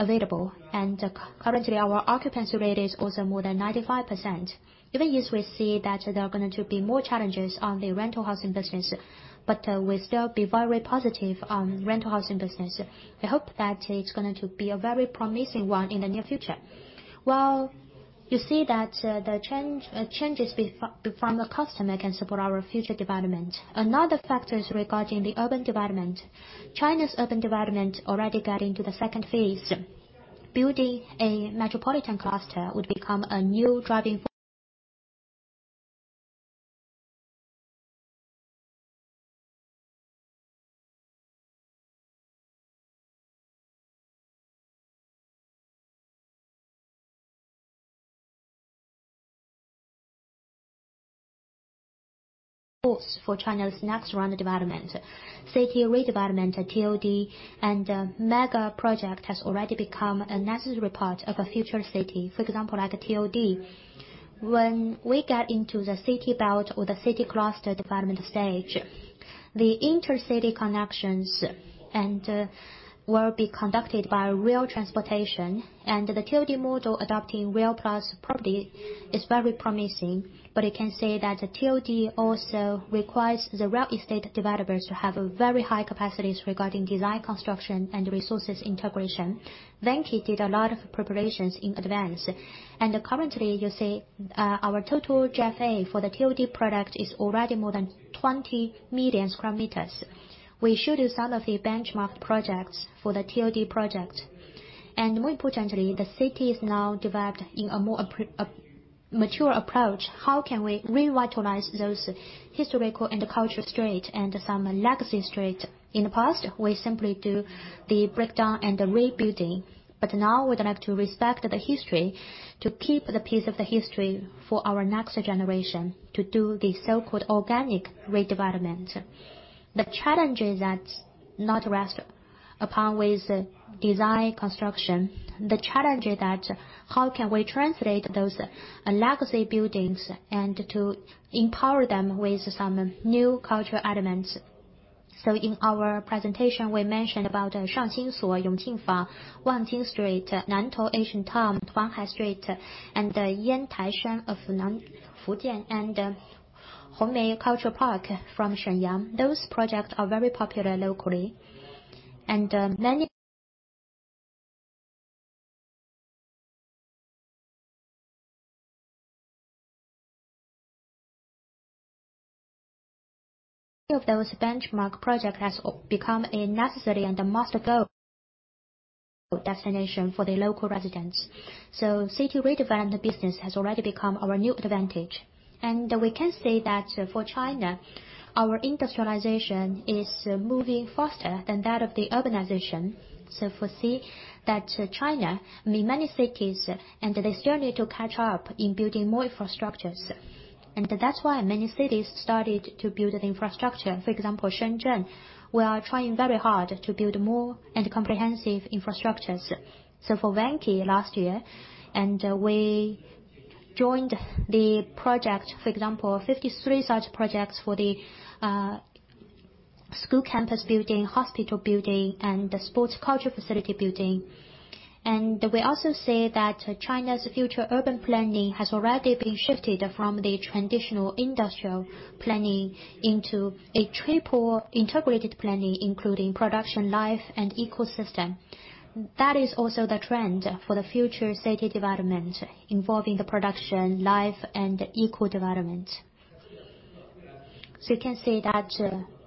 available. Currently, our occupancy rate is also more than 95%. Even if we see that there are going to be more challenges on the rental housing business, we still be very positive on rental housing business. We hope that it's going to be a very promising one in the near future. Well, you see that the changes from a customer can support our future development. Another factor is regarding the urban development. China's urban development already got into the second phase. Building a metropolitan cluster would become a new driving force for China's next round of development. City redevelopment, TOD, and mega-project has already become a necessary part of a future city. For example, like TOD. When we get into the city belt or the city cluster development stage, the intercity connections will be conducted by rail transportation, and the TOD model adopting rail plus property is very promising. It can say that TOD also requires the real estate developers to have very high capacities regarding design, construction, and resources integration. Vanke did a lot of preparations in advance. Currently, you see our total GFA for the TOD product is already more than 20 million sq m. We should do some of the benchmark projects for the TOD project. More importantly, the city is now developed in a more mature approach. How can we revitalize those historical and cultural street and some legacy street? In the past, we simply do the breakdown and the rebuilding, but now we'd like to respect the history, to keep the piece of the history for our next generation to do the so-called organic redevelopment. The challenge is that not rest upon with design construction. The challenge is that how can we translate those legacy buildings and to empower them with some new cultural elements? In our presentation, we mentioned about Shangsheng Xinsuo, Yongqingfang, Wangjing Sanli, Nantou Ancient Town, Huanhai Street, and Yantaishan of Nan Fujian, and Hongmei Cultural Park from Shenyang. Those projects are very popular locally. Many of those benchmark project has become a necessary and a must-go destination for the local residents. City redevelop business has already become our new advantage. We can say that for China, our industrialization is moving faster than that of the urbanization. We foresee that China, in many cities, and they still need to catch up in building more infrastructures. That's why many cities started to build the infrastructure. For example, Shenzhen, we are trying very hard to build more and comprehensive infrastructures. For Vanke last year, we joined the project, for example, 53 such projects for the school campus building, hospital building, and the sports culture facility building. We also say that China's future urban planning has already been shifted from the traditional industrial planning into a triple integrated planning, including production, life, and ecosystem. That is also the trend for the future city development, involving the production, life, and eco development. You can see that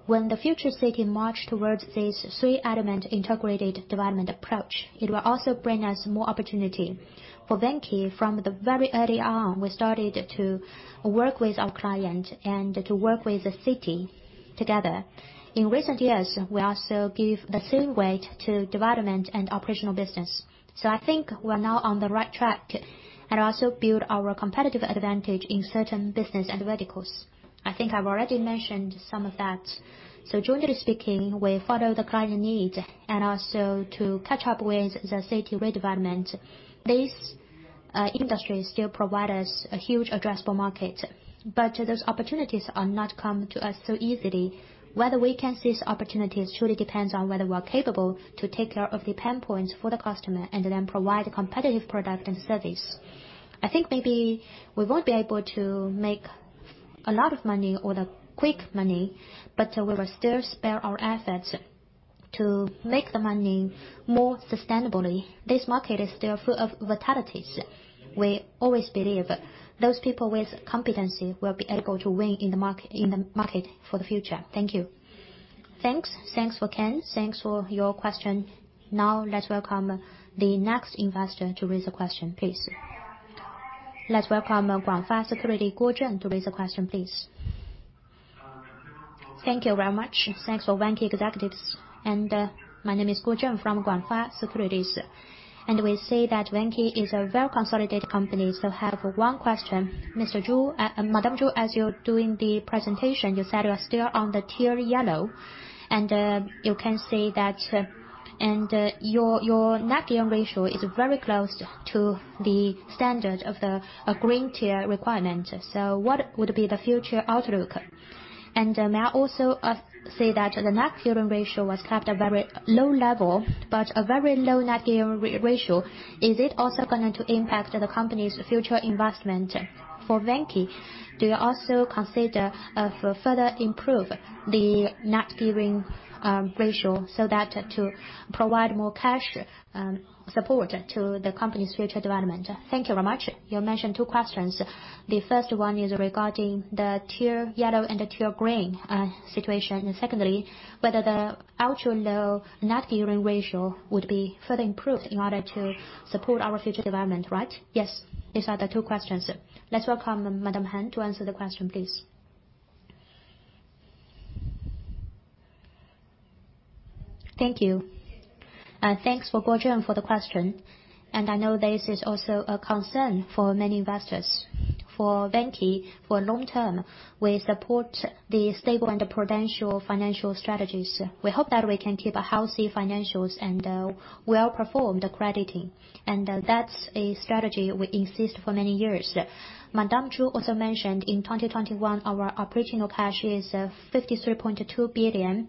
when the future city march towards this three-element integrated development approach, it will also bring us more opportunity. For Vanke, from the very early on, we started to work with our client and to work with the city together. In recent years, we also give the same weight to development and operational business. I think we are now on the right track and also build our competitive advantage in certain business and verticals. I think I've already mentioned some of that. Jointly speaking, we follow the client needs and also to catch up with the city redevelopment. This industry still provide us a huge addressable market, but those opportunities are not come to us so easily. Whether we can seize opportunities truly depends on whether we are capable to take care of the pain points for the customer and then provide competitive product and service. I think maybe we won't be able to make a lot of money or the quick money, but we will still spare our assets to make the money more sustainably. This market is still full of vitalities. We always believe those people with competency will be able to win in the market for the future. Thank you. Thanks. Thanks for Ken. Thanks for your question. Let's welcome the next investor to raise a question, please. Let's welcome GF Securities, Guojun, to raise a question, please. Thank you very much. Thanks for Vanke executives. My name is Guojun from GF Securities. We see that Vanke is a well-consolidated company. I have one question. Madam Zhu, as you're doing the presentation, you said you are still on the tier yellow, and you can see that your net gearing ratio is very close to the standard of the green tier requirement. What would be the future outlook? May I also say that the net gearing ratio was kept at a very low level, a very low net gearing ratio, is it also going to impact the company's future investment? For Vanke, do you also consider to further improve the net gearing ratio so that to provide more cash support to the company's future development? Thank you very much. You mentioned two questions. The first one is regarding the tier yellow and the tier green situation. Secondly, whether the ultra low net gearing ratio would be further improved in order to support our future development, right? Yes. These are the two questions. Let's welcome Madam Han to answer the question, please. Thank you. Thanks for Guojun for the question. I know this is also a concern for many investors. For Vanke, for long term, we support the stable and the prudential financial strategies. We hope that we can keep a healthy financials and well perform the crediting. That's a strategy we insist for many years. Madam Zhu also mentioned in 2021, our operational cash is 53.2 billion,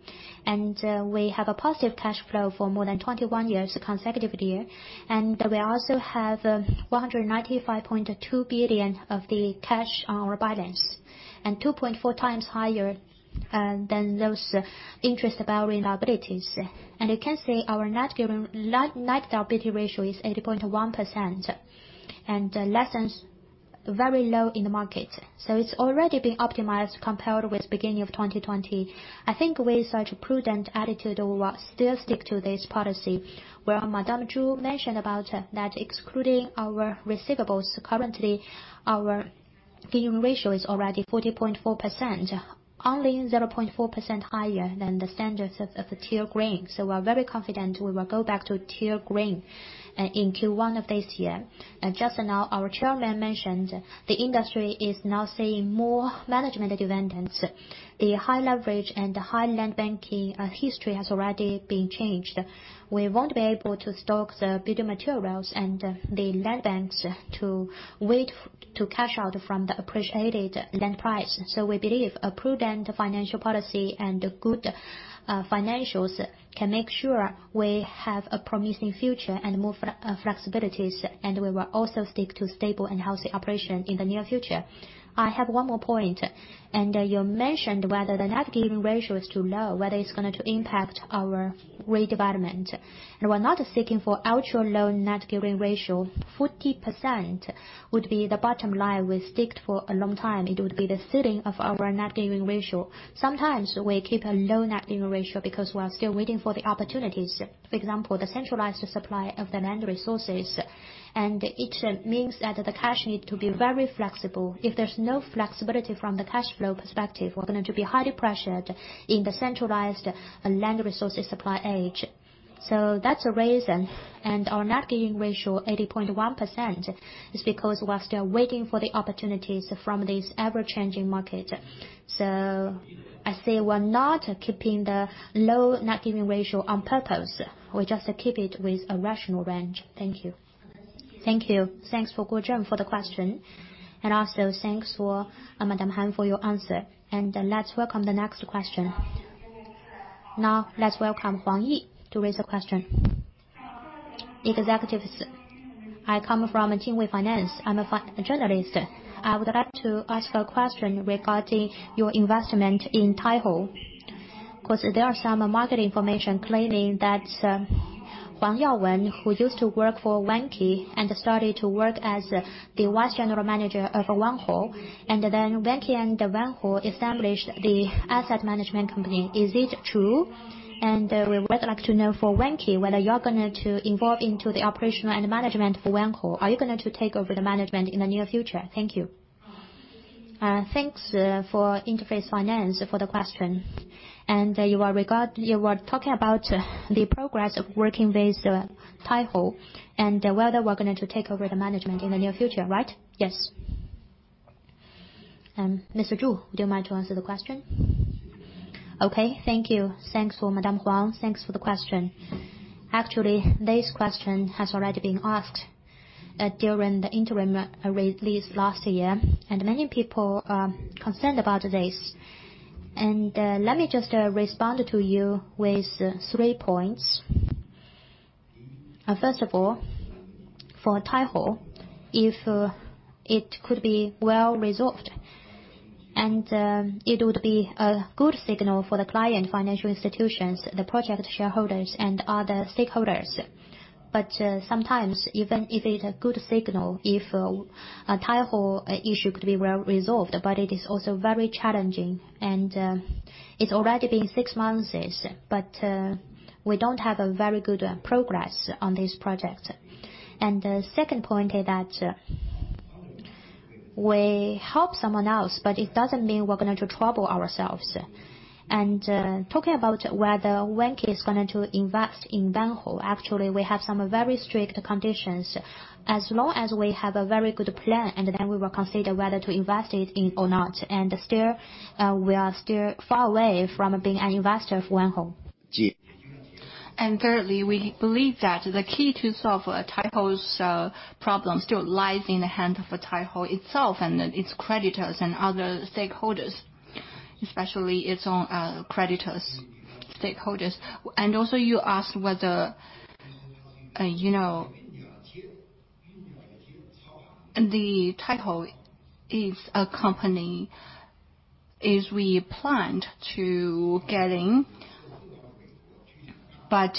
we have a positive cash flow for more than 21 years consecutive year. We also have 195.2 billion of the cash on our balance, and 2.4x higher than those interest-bearing liabilities. You can see our net debt ratio is 80.1% and is very low in the market. It's already been optimized compared with beginning of 2020. I think with such a prudent attitude, we will still stick to this policy. Madam Zhu mentioned about that excluding our receivables, currently, our gearing ratio is already 40.4%, only 0.4% higher than the standards of tier green. We are very confident we will go back to tier green in Q1 of this year. Just now, our Chairman mentioned the industry is now seeing more management dividend. The high leverage and high land banking history has already been changed. We won't be able to stock the building materials and the land banks to wait to cash out from the appreciated land price. We believe a prudent financial policy and good financials can make sure we have a promising future and more flexibilities, and we will also stick to stable and healthy operation in the near future. I have one more point. You mentioned whether the net gearing ratio is too low, whether it's going to impact our redevelopment. We are not seeking for ultra low net gearing ratio. 40% would be the bottom line we stick for a long time. It would be the ceiling of our net gearing ratio. Sometimes we keep a low net gearing ratio because we are still waiting for the opportunities. For example, the centralized supply of the land resources. It means that the cash need to be very flexible. If there's no flexibility from the cash flow perspective, we're going to be highly pressured in the centralized land resources supply age. That's the reason. Our net gearing ratio, 80.1%, is because we are still waiting for the opportunities from this ever-changing market. We're not keeping the low net gearing ratio on purpose. We just keep it with a rational range. Thank you. Thank you. Thanks for Guojun for the question. Also thanks for Madam Han for your answer. Let's welcome the next question. Now let's welcome Huang Yi to raise a question. Executives, I come from Qingwei Finance. I'm a journalist. I would like to ask a question regarding your investment in Taihe. Because there are some market information claiming that Huang Yaowen, who used to work for Vanke and started to work as the Vice General Manager of Vanke. Vanke and Vanke established the asset management company. Is it true? We would like to know for Vanke, whether you're going to involve into the operational and management for Vanke. Are you going to take over the management in the near future? Thank you. Thanks for Interface Finance for the question. You are talking about the progress of working with Taihe and whether we're going to take over the management in the near future, right? Yes. Mr. Zhu, do you mind to answer the question? Okay. Thank you. Thanks for Madam Yang. Thanks for the question. Actually, this question has already been asked during the interim release last year, and many people are concerned about this. Let me just respond to you with three points. First of all, for Taihe, if it could be well resolved, and it would be a good signal for the client financial institutions, the project shareholders, and other stakeholders. Sometimes, even if it's a good signal, if a Taihe issue could be well resolved, but it is also very challenging. It's already been six months, but we don't have a very good progress on this project. The second point is that we help someone else, but it doesn't mean we're going to trouble ourselves. Talking about whether Vanke is going to invest in [Vanho], actually, we have some very strict conditions. As long as we have a very good plan, and then we will consider whether to invest it in or not. We are still far away from being an investor of [Vanho]. Thirdly, we believe that the key to solve Taihe's problem still lies in the hand of Taihe itself and its creditors and other stakeholders, especially its own creditors, stakeholders. Also you asked whether Taihe is a company we planned to get in, but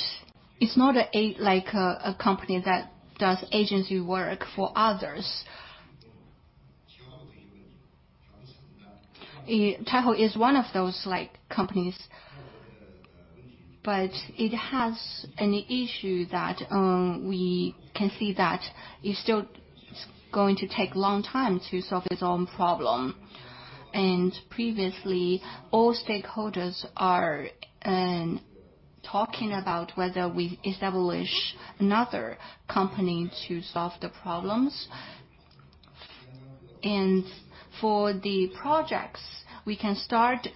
it's not like a company that does agency work for others. Taihe is one of those companies, but it has an issue that we can see that it's still going to take long time to solve its own problem. Previously, all stakeholders are talking about whether we establish another company to solve the problems. For the projects, we can start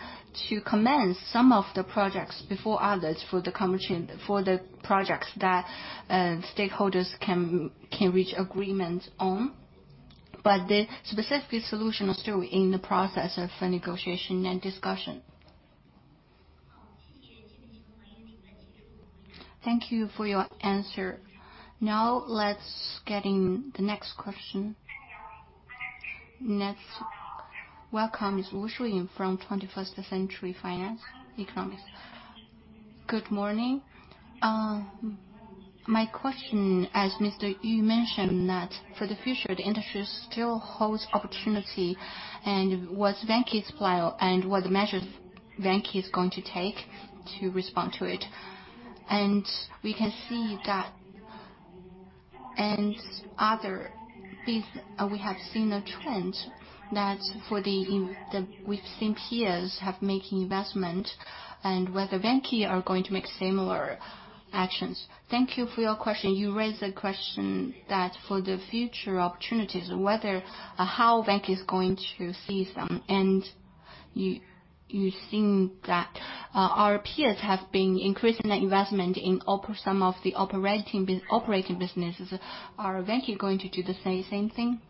to commence some of the projects before others for the projects that stakeholders can reach agreement on. The specific solution is still in the process of negotiation and discussion. Thank you for your answer. Now let's get in the next question. Next. Welcome, Ms. Wu Shuying from 21st Century Business Herald. Good morning. My question, as Mr. Yu mentioned, that for the future, the industry still holds opportunity, and what measures Vanke is going to take to respond to it? We have seen a trend that we've seen peers have made investment and whether Vanke are going to make similar actions? Thank you for your question. You raised the question that for the future opportunities, how Vanke is going to seize them, and you think that our peers have been increasing their investment in some of the operating businesses. Are Vanke going to do the same thing?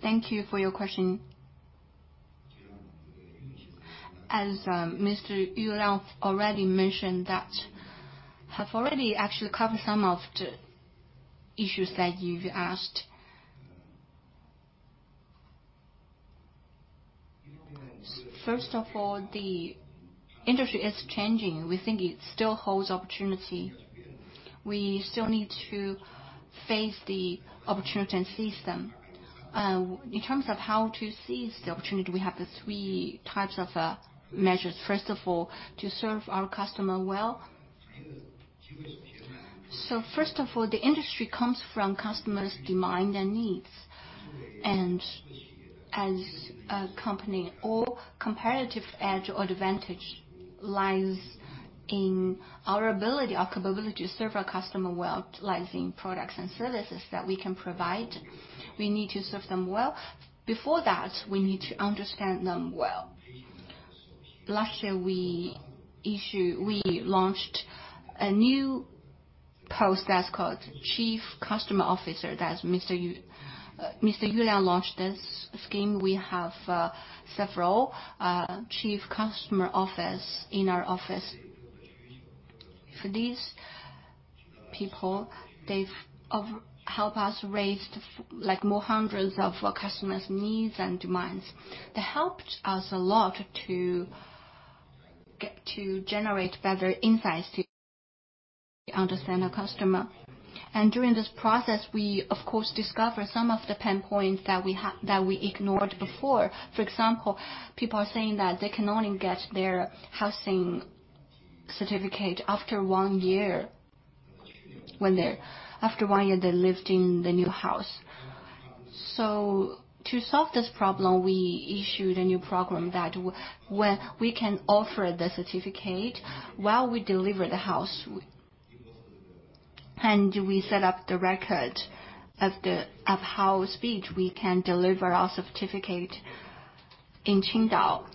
Thank you for your question. As Mr. Yu Liang already mentioned, have actually already covered some of the issues that you've asked. First of all, the industry is changing. We think it still holds opportunity. We still need to face the opportunity and seize them. In terms of how to seize the opportunity, we have the three types of measures. First of all, to serve our customer well. First of all, the industry comes from customers' demand and needs. As a company, all comparative edge or advantage lies in our ability, our capability to serve our customer well, lies in products and services that we can provide. We need to serve them well. Before that, we need to understand them well. Last year, we launched a new post that's called Chief Customer Officer. That's Mr. Yu. Mr. Yu Liang launched this scheme. We have several Chief Customer Officers in our office. For these people, they've help us raise more hundreds of our customers' needs and demands. That helped us a lot to generate better insights to understand our customer. During this process, we of course discovered some of the pain points that we ignored before. For example, people are saying that they can only get their housing certificate after one year they lived in the new house. To solve this problem, we issued a new program that we can offer the certificate while we deliver the house. We set up the record of how fast we can deliver our certificate in Qingdao.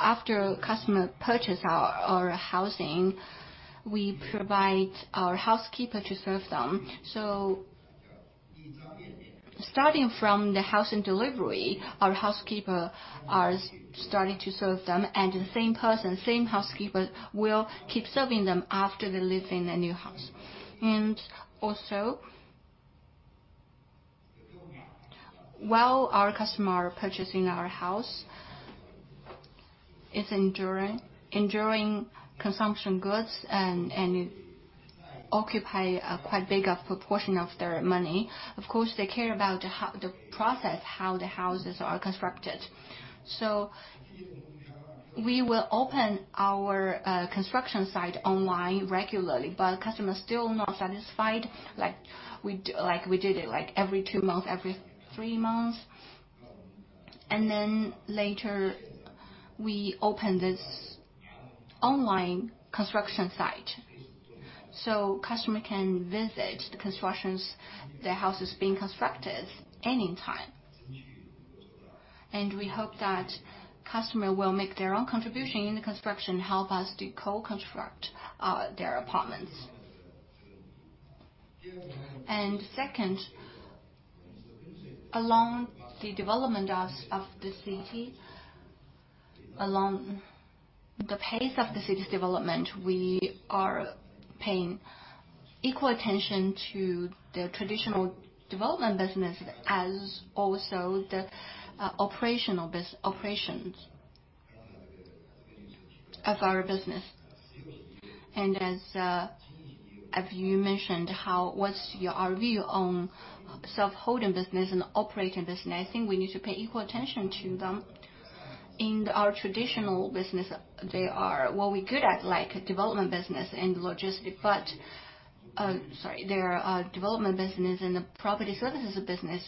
After customer purchase our housing, we provide our housekeeper to serve them. Starting from the housing delivery, our housekeeper are starting to serve them, and the same person, same housekeeper, will keep serving them after they live in the new house. While our customer are purchasing our house, is enduring consumption goods. Occupy a quite big proportion of their money, of course, they care about the process, how the houses are constructed. We will open our construction site online regularly. Customers still not satisfied, we did it every two months, every three months. Later we opened this online construction site, so customer can visit the constructions, their houses being constructed anytime. We hope that customer will make their own contribution in the construction, help us to co-construct their apartments. Second, along the development of the city, along the pace of the city's development, we are paying equal attention to the traditional development business as also the operations of our business. As you mentioned, what's our view on self-holding business and operating business, I think we need to pay equal attention to them. In our traditional business, they are what we're good at, like development business and logistics. Sorry, they are development business and the property services business.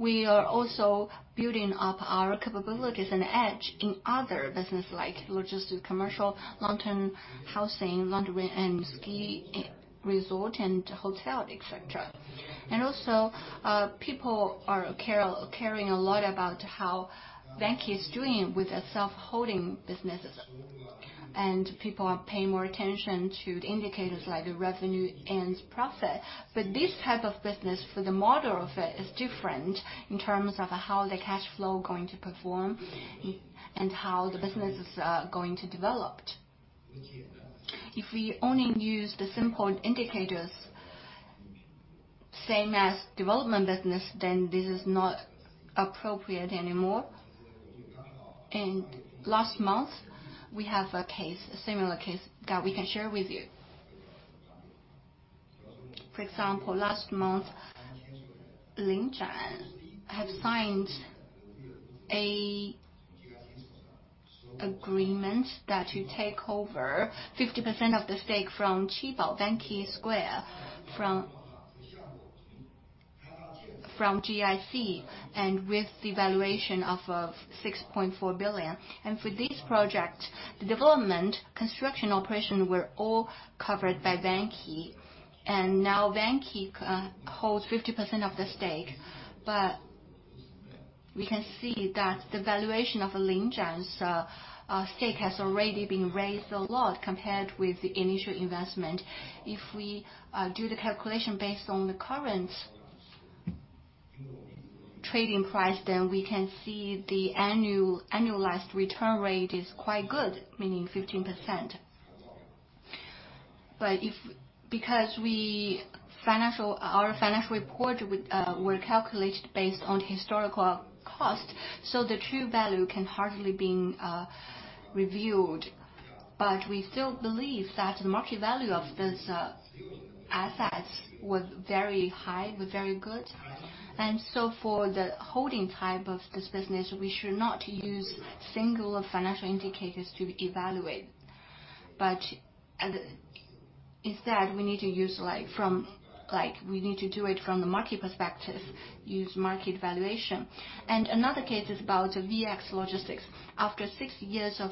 We are also building up our capabilities and edge in other business like logistics, commercial, long-term housing, [laundry], and ski resort and hotel, etc. Also, people are caring a lot about how Vanke is doing with the self-holding businesses. People are paying more attention to the indicators like the revenue and profit. This type of business, for the model of it, is different in terms of how the cash flow going to perform and how the business is going to developed. If we only use the simple indicators, same as development business, then this is not appropriate anymore. Last month, we have a similar case that we can share with you. For example, last month, Linchan have signed a agreement that you take over 50% of the stake from Qibao Vanke Square from GIC, with the valuation of 6.4 billion. For this project, the development, construction, operation were all covered by Vanke. Now Vanke holds 50% of the stake. We can see that the valuation of Linchan's stake has already been raised a lot compared with the initial investment. If we do the calculation based on the current trading price, we can see the annualized return rate is quite good, meaning 15%. Because our financial report were calculated based on historical cost, the true value can hardly be reviewed. We still believe that the market value of this asset was very high, was very good. For the holding type of this business, we should not use single financial indicators to evaluate. Instead, we need to do it from the market perspective, use market valuation. Another case is about VX Logistics. After six years of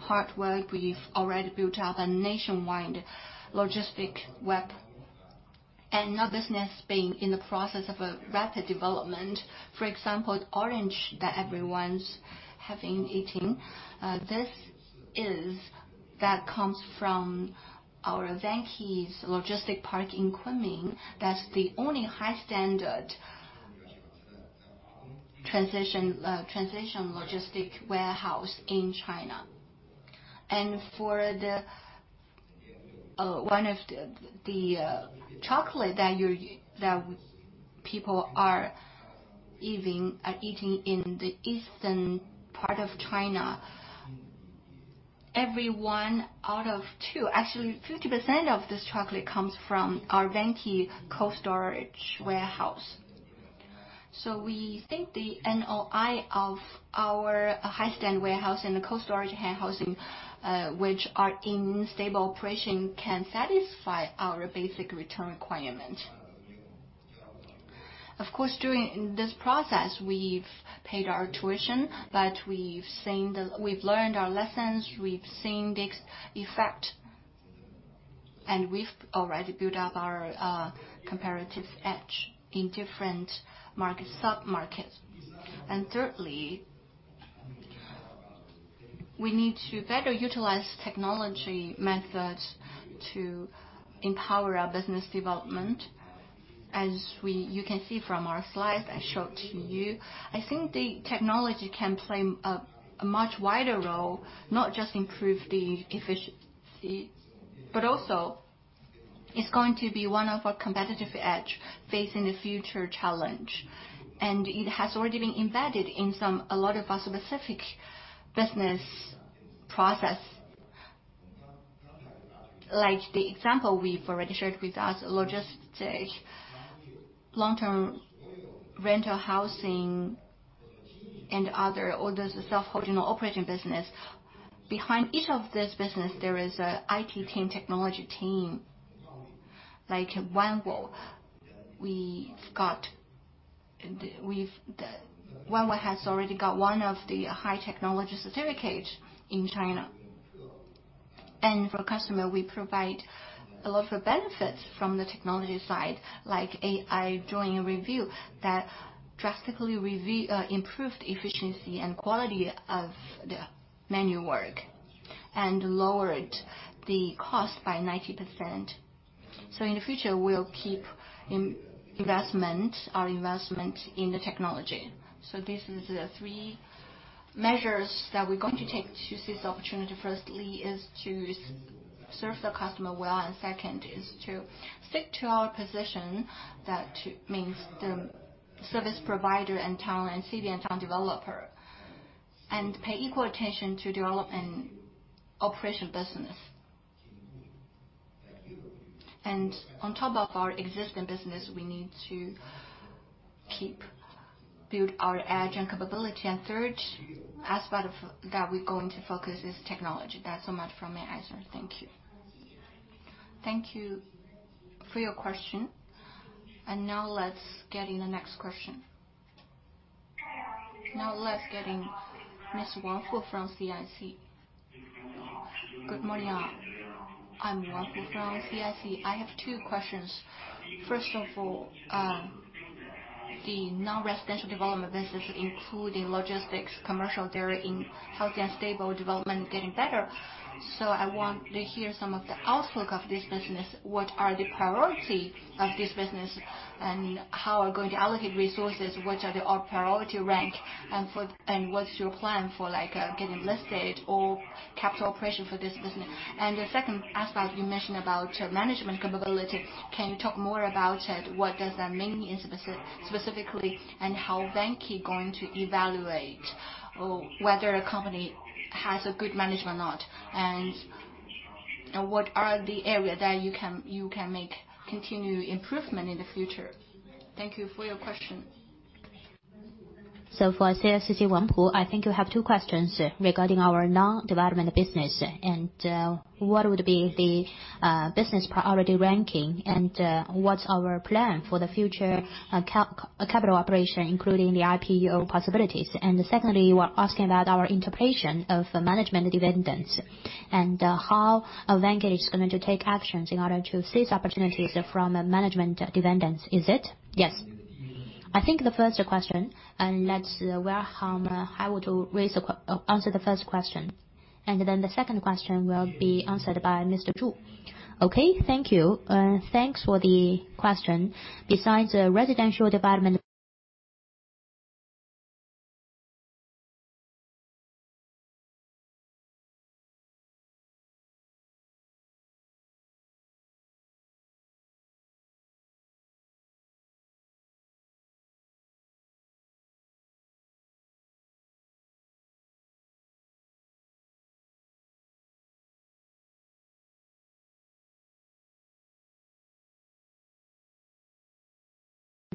hard work, we've already built up a nationwide logistics web. Now business is in the process of a rapid development. For example, orange that everyone's having eating, that comes from our Vanke's logistics park in Kunming. That's the only high standard transition logistics warehouse in China. For one of the chocolate that people are eating in the eastern part of China, every one out of two, actually 50% of this chocolate comes from our Vanke cold storage warehouse. We think the NOI of our high standard warehouse and the cold storage warehousing, which are in stable operation, can satisfy our basic return requirement. Of course, during this process, we've paid our tuition, but we've learned our lessons, we've seen this effect, and we've already built up our comparative edge in different sub-markets. Thirdly, we need to better utilize technology methods to empower our business development. As you can see from our slides I showed to you, I think the technology can play a much wider role, not just improve the efficiency, but also is going to be one of our competitive edge facing the future challenge. It has already been embedded in a lot of our specific business process. Like the example we've already shared with us, logistics, long-term rental housing, and other orders of self-holding operating business. Behind each of these businesses, there is an IT team, technology team. Like Onewo has already got one of the high technology certificates in China. For customers, we provide a lot of benefits from the technology side, like AI drawing review that drastically improved efficiency and quality of the manual work, and lowered the cost by 90%. In the future, we'll keep our investment in the technology. This is the three measures that we're going to take to seize the opportunity. Firstly, is to serve the customers well, second is to stick to our position that means the service provider and city and town developer, pay equal attention to development operation business. On top of our existing business, we need to keep build our edge and capability. Third aspect that we're going to focus is technology. That's so much from me, Ezra. Thank you. Thank you for your question. Now let's get in the next question. Now let's get in Ms. Wang Hu from CICC. Good morning, all. I'm Wang Hu from CICC. I have two questions. First of all, the non-residential development business, including logistics, commercial, they're in healthy and stable development, getting better. I want to hear some of the outlook of this business. What are the priority of this business, and how are you going to allocate resources? What are the priority rank, and what's your plan for getting listed or capital operation for this business? The second aspect you mentioned about management capabilities. Can you talk more about it? What does that mean specifically, and how Vanke going to evaluate whether a company has a good management or not? What are the area that you can make continued improvement in the future? Thank you for your question. For CICC, Wang Hu, I think you have two questions regarding our non-development business, and what would be the business priority ranking, and what's our plan for the future capital operation, including the IPO possibilities. Secondly, you are asking about our interpretation of management dependence, and how Vanke is going to take actions in order to seize opportunities from management dependence. Is it? Yes. I think the first question, and let's Han Huihua answer the first question, and then the second question will be answered by Mr. Zhu. Okay, thank you. Thanks for the question. Besides residential development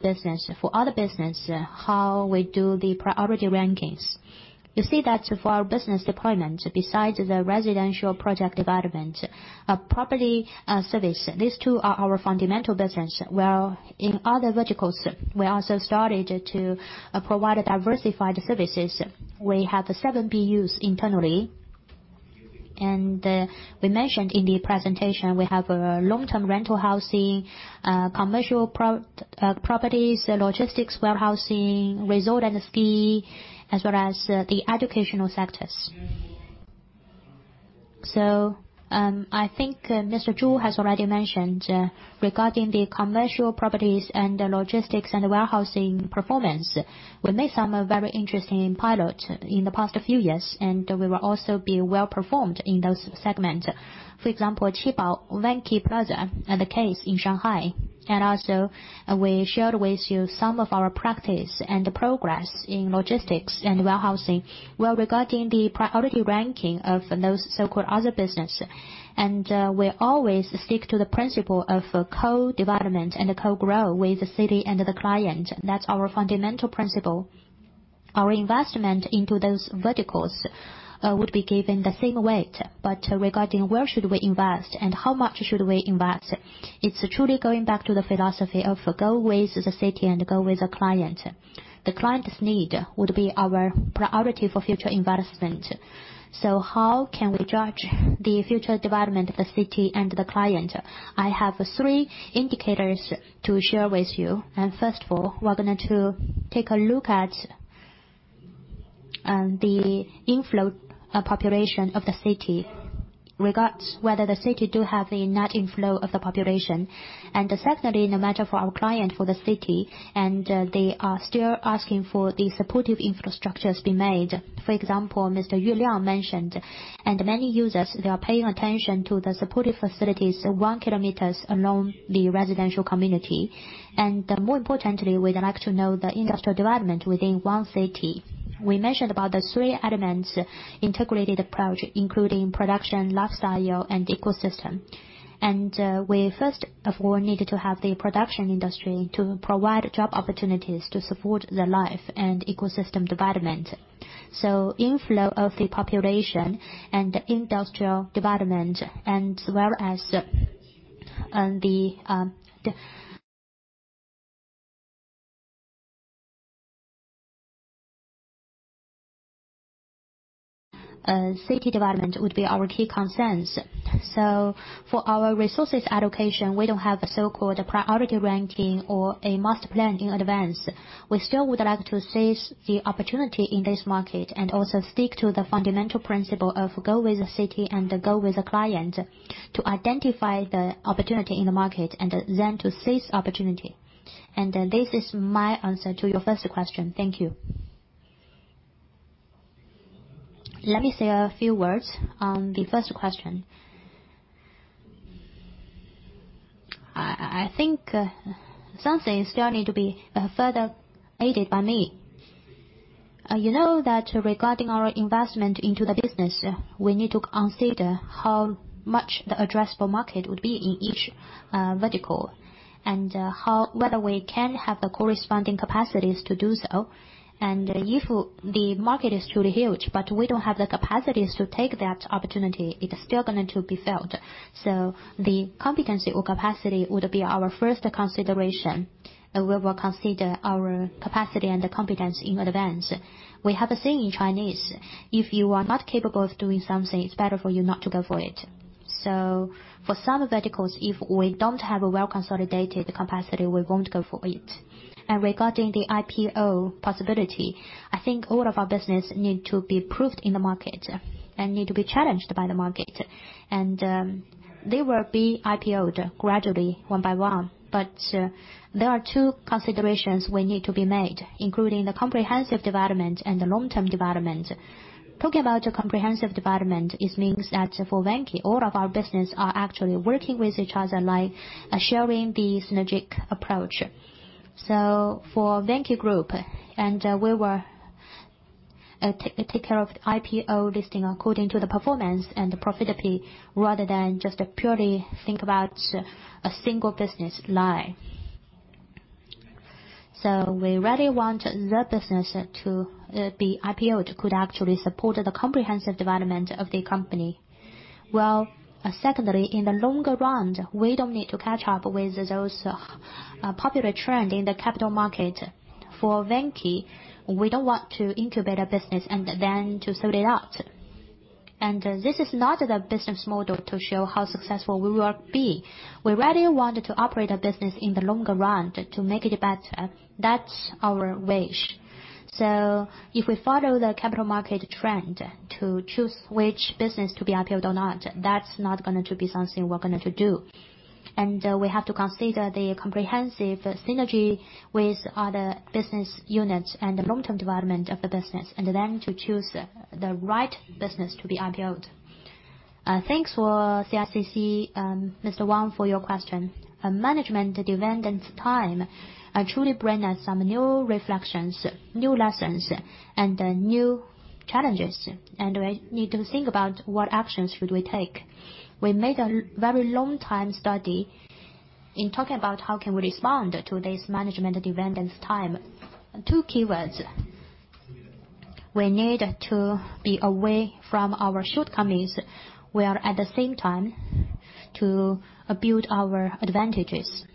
business, for other business, how we do the priority rankings. You see that for our business deployment, besides the residential project development, property service, these two are our fundamental business. While in other verticals, we also started to provide diversified services. We have seven BUs internally, and we mentioned in the presentation, we have long-term rental housing, commercial properties, logistics, warehousing, resort and ski, as well as the educational sectors. I think Mr. Zhu has already mentioned, regarding the commercial properties and the logistics and warehousing performance, we made some very interesting pilot in the past few years, and we will also be well-performed in those segments. For example, Qibao Vanke Plaza, the case in Shanghai, and also we shared with you some of our practice and progress in logistics and warehousing. Well, regarding the priority ranking of those so-called other business, and we always stick to the principle of co-development and co-grow with the city and the client. That's our fundamental principle. Our investment into those verticals would be given the same weight. Regarding where should we invest and how much should we invest, it's truly going back to the philosophy of go with the city and go with the client. The client's need would be our priority for future investment. How can we judge the future development of the city and the client? I have three indicators to share with you. First of all, we're going to take a look at the inflow population of the city, regards whether the city do have a net inflow of the population. Secondly, no matter for our client, for the city, and they are still asking for the supportive infrastructures be made. For example, Mr. Yu Liang mentioned, and many users, they are paying attention to the supportive facilities 1 km along the residential community. More importantly, we'd like to know the industrial development within one city. We mentioned about the three elements integrated approach, including production, lifestyle, and ecosystem. We first of all, need to have the production industry to provide job opportunities to support the life and ecosystem development. Inflow of the population and industrial development, as well as the city development would be our key concerns. For our resource's allocation, we don't have a so-called priority ranking or a master plan in advance. We still would like to seize the opportunity in this market and also stick to the fundamental principle of go with the city and go with the client to identify the opportunity in the market and then to seize the opportunity. This is my answer to your first question. Thank you. Let me say a few words on the first question. I think some things still need to be further aided by me. You know that regarding our investment into the business, we need to consider how much the addressable market would be in each vertical, and whether we can have the corresponding capacities to do so. If the market is truly huge, but we don't have the capacities to take that opportunity, it's still going to be felt. The competency or capacity would be our first consideration. We will consider our capacity and the competence in advance. We have a saying in Chinese, "If you are not capable of doing something, it's better for you not to go for it." For some verticals, if we don't have a well-consolidated capacity, we won't go for it. Regarding the IPO possibility, I think all of our business need to be proved in the market and need to be challenged by the market. They will be IPO'd gradually one by one. There are two considerations we need to be made, including the comprehensive development and the long-term development. Talking about comprehensive development, it means that for Vanke, all of our business are actually working with each other, like sharing the synergic approach. For Vanke Group, we will take care of IPO listing according to the performance and the profitability rather than just purely think about a single business line. We really want the business to be IPO'd, could actually support the comprehensive development of the company. Well, secondly, in the longer run, we don't need to catch up with those popular trend in the capital market. For Vanke, we don't want to incubate a business and then to sell it out. This is not the business model to show how successful we will be. We really want to operate a business in the longer run to make it better. That's our wish. If we follow the capital market trend to choose which business to be IPO'd or not, that's not going to be something we're going to do. We have to consider the comprehensive synergy with other business units and the long-term development of the business, and then to choose the right business to be IPO'd. Thanks for CICC, Mr. Wang, for your question. Management dividend time truly bring us some new reflections, new lessons, and new challenges, and we need to think about what actions should we take. We made a very long time study in talking about how can we respond to this management dividend time. Two keywords. We need to be away from our shortcomings, while at the same time to build our advantages.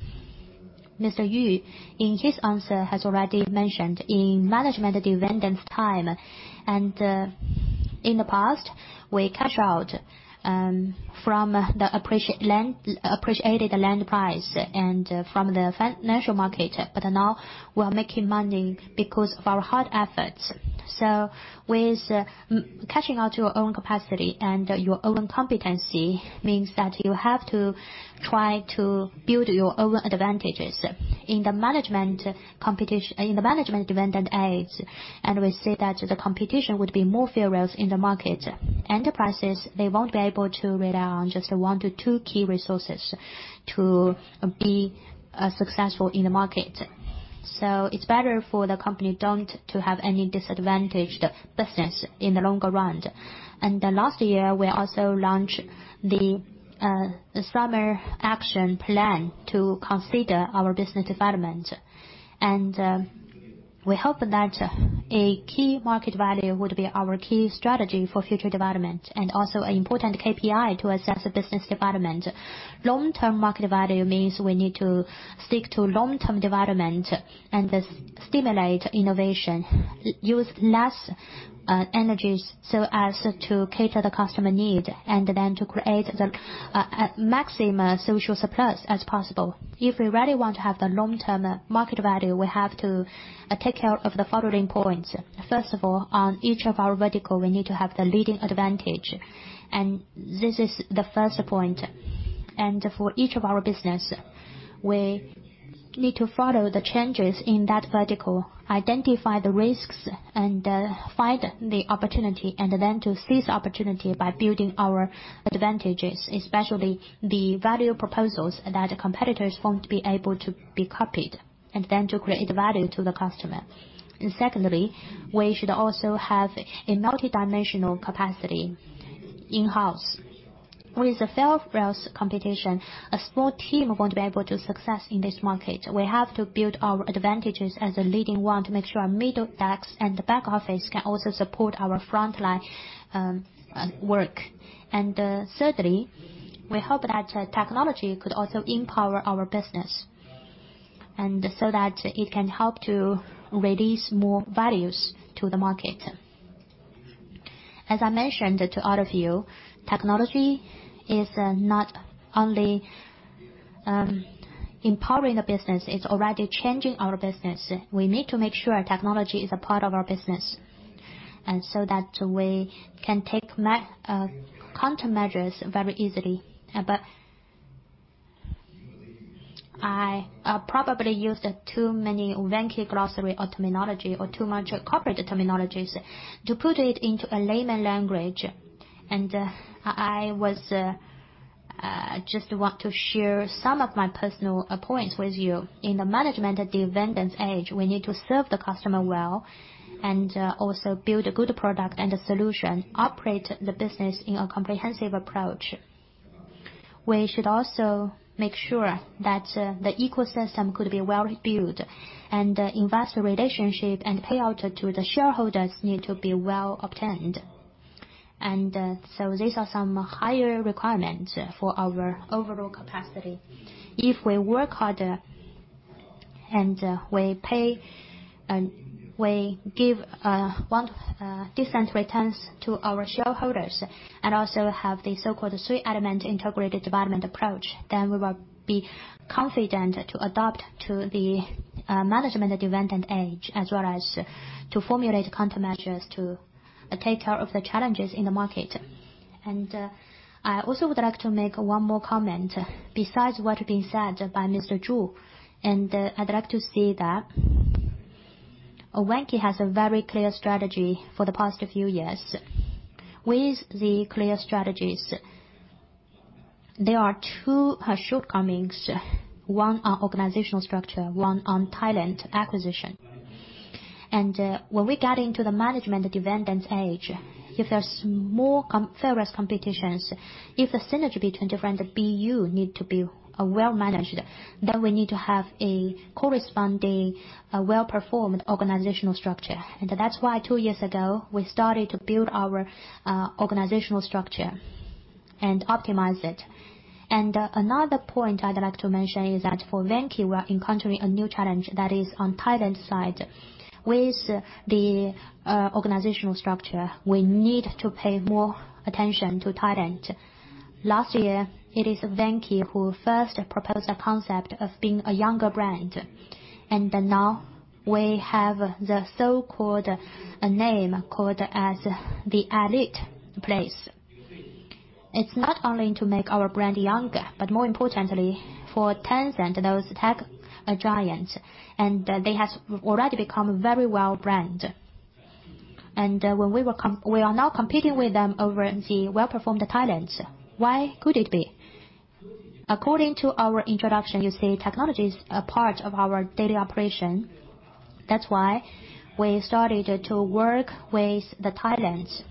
Mr. Yu, in his answer, has already mentioned in management dividend time. In the past, we cash out from the appreciated land price and from the financial market. Now we are making money because of our hard efforts. With cashing out your own capacity and your own competency means that you have to try to build your own advantages. In the management dividend age, we see that the competition would be more furious in the market. Enterprises, they won't be able to rely on just one to two key resources to be successful in the market. It's better for the company don't to have any disadvantaged business in the longer run. In the last year, we also launched the summer action plan to consider our business development. We hope that a key market value would be our key strategy for future development and also an important KPI to assess business development. Long-term market value means we need to stick to long-term development and stimulate innovation, use less energy so as to cater the customer need, then to create the maximum social surplus as possible. If we really want to have the long-term market value, we have to take care of the following points. First of all, on each of our vertical, we need to have the leading advantage. This is the first point. For each of our business, we need to follow the changes in that vertical, identify the risks, find the opportunity, then to seize the opportunity by building our advantages, especially the value proposals that competitors won't be able to copy, then to create value to the customer. Secondly, we should also have a multidimensional capacity in-house. With the fierce competition, a small team won't be able to success in this market. We have to build our advantages as a leading one to make sure our middle, back office, and the back office can also support our frontline work. Thirdly, we hope that technology could also empower our business, so that it can help to release more values to the market. As I mentioned to all of you, technology is not only empowering the business, it's already changing our business. We need to make sure our technology is a part of our business, that we can take countermeasures very easily. I probably used too many Vanke glossary or terminology or too much corporate terminologies. To put it into a layman language, I just want to share some of my personal points with you. In the management dividend age, we need to serve the customer well and also build a good product and a solution, operate the business in a comprehensive approach. We should also make sure that the ecosystem could be well built, investor relationship and payout to the shareholders need to be well obtained. These are some higher requirements for our overall capacity. If we work hard, we give decent returns to our shareholders and also have the so-called three element integrated development approach, we will be confident to adapt to the management dividend age, as well as to formulate countermeasures to take care of the challenges in the market. I also would like to make one more comment besides what had been said by Mr. Zhu. I'd like to say that Vanke has a very clear strategy for the past few years. With the clear strategies, there are two shortcomings, one on organizational structure, one on talent acquisition. When we got into the management dividend age, if there's more service competitions, if the synergy between different BU need to be well managed, we need to have a corresponding well-performed organizational structure. That's why two years ago, we started to build our organizational structure and optimize it. Another point I'd like to mention is that for Vanke, we are encountering a new challenge that is on talent side. With the organizational structure, we need to pay more attention to talent. Last year, it is Vanke who first proposed the concept of being a younger brand. Now we have the so-called name called as the elite place. It's not only to make our brand younger, but more importantly, for Tencent, those tech giants, and they have already become very well brand. We are now competing with them over the well-performed talents. Why could it be? According to our introduction, you see technology is a part of our daily operation. That's why we started to work with the talents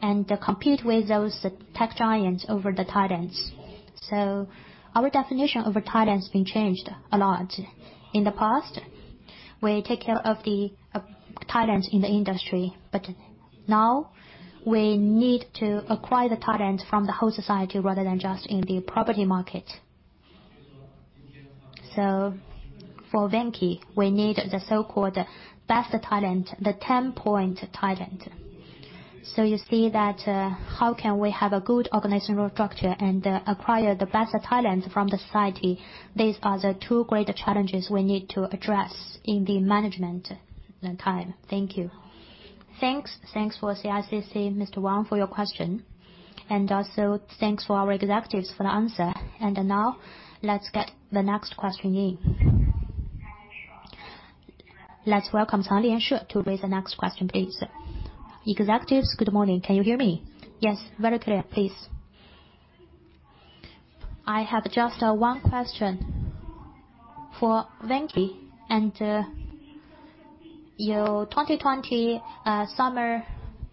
and compete with those tech giants over the talents. Our definition of a talent has been changed a lot. In the past, we take care of the talents in the industry, but now we need to acquire the talent from the whole society rather than just in the property market. For Vanke, we need the so-called best talent, the 10-point talent. You see that how can we have a good organizational structure and acquire the best talent from the society? These are the two great challenges we need to address in the management time. Thank you. Thanks. Thanks for CICC, Mr. Wang, for your question. Also thanks for our executives for the answer. Now let's get the next question in. Let's welcome Cailian Press to raise the next question, please. Executives, good morning. Can you hear me? Yes. Very clear. Please. I have just one question for Vanke and your 2020 summer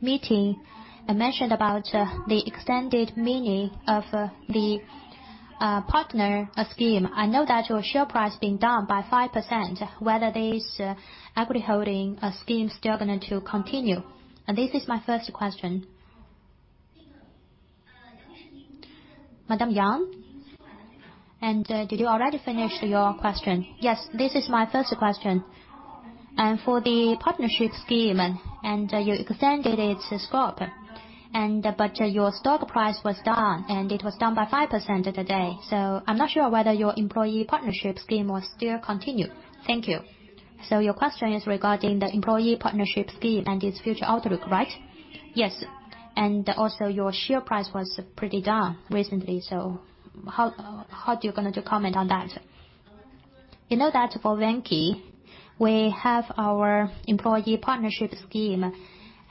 meeting mentioned about the extended meaning of the partner scheme. I know that your share price being down by 5%, whether this equity holding scheme is still going to continue. This is my first question. Madam Yang, and did you already finish your question? Yes. This is my first question. For the partnership scheme, and you extended its scope. Your stock price was down, and it was down by 5% today. I'm not sure whether your employee partnership scheme will still continue. Thank you. So, your question is regarding the employee partnership scheme and its future outlook, right? Yes. Your share price was pretty down recently, so how do you going to comment on that? You know that for Vanke, we have our employee partnership scheme,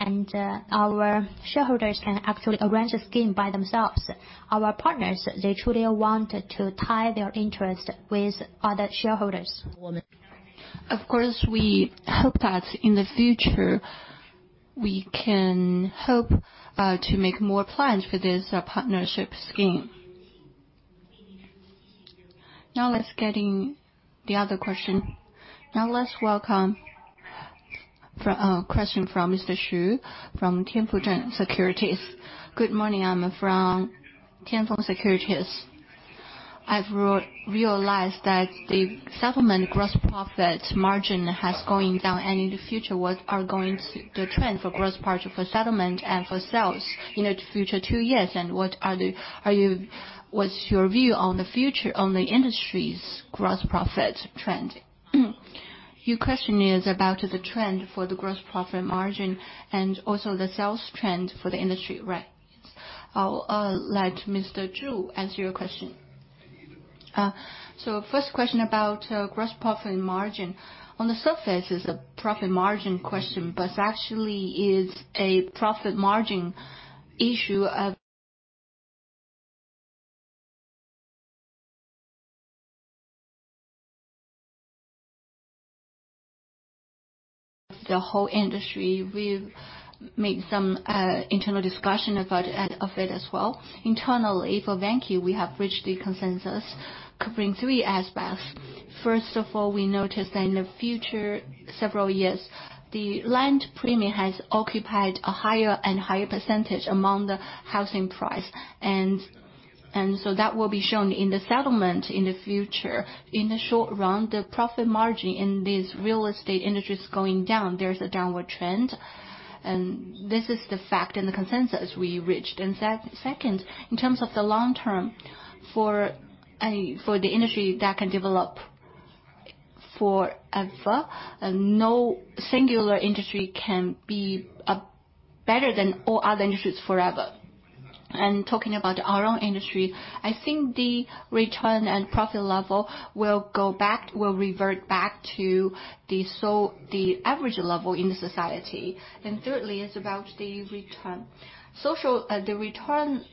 and our shareholders can actually arrange a scheme by themselves. Our partners, they truly want to tie their interest with other shareholders. Of course, we hope that in the future, we can hope to make more plans for this partnership scheme. Let's get in the other question. Let's welcome a question from Mr. Xu from Tianfeng Securities. Good morning. I'm from Tianfeng Securities. I've realized that the settlement gross profit margin has going down, and in the future, what are going to the trend for gross profit for settlement and for sales in future two years, and what's your view on the future, on the industry's gross profit trend? Your question is about the trend for the gross profit margin and also the sales trend for the industry, right? Yes. I'll let Mr. Zhu answer your question. First question about gross profit margin. On the surface is a profit margin question, actually is a profit margin issue of the whole industry. We've made some internal discussion about it as well. Internally, for Vanke, we have reached the consensus covering three aspects. First of all, we noticed that in the future several years, the land premium has occupied a higher and higher percentage among the housing price. That will be shown in the settlement in the future. In the short run, the profit margin in this real estate industry is going down. There is a downward trend, and this is the fact and the consensus we reached. Second, in terms of the long term, for the industry that can develop forever, no singular industry can be better than all other industries forever. Talking about our own industry, I think the return and profit level will revert back to the average level in the society. Thirdly is about the return. The return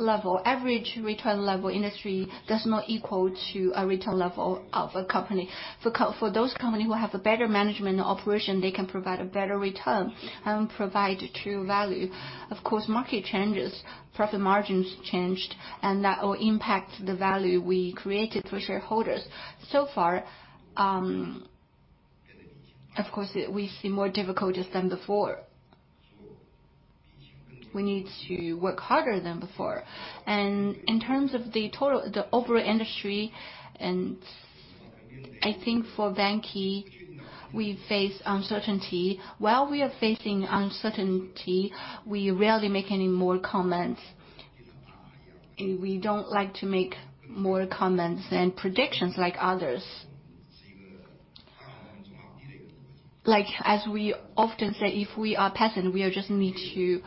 level, average return level industry does not equal to a return level of a company. For those company who have a better management operation, they can provide a better return and provide true value. Of course, market changes, profit margins changed, and that will impact the value we created for shareholders. So far, of course, we see more difficulties than before. We need to work harder than before. In terms of the overall industry, and I think for Vanke, we face uncertainty. While we are facing uncertainty, we rarely make any more comments. We don't like to make more comments and predictions like others. Like as we often say, if we are peasant, we are just need to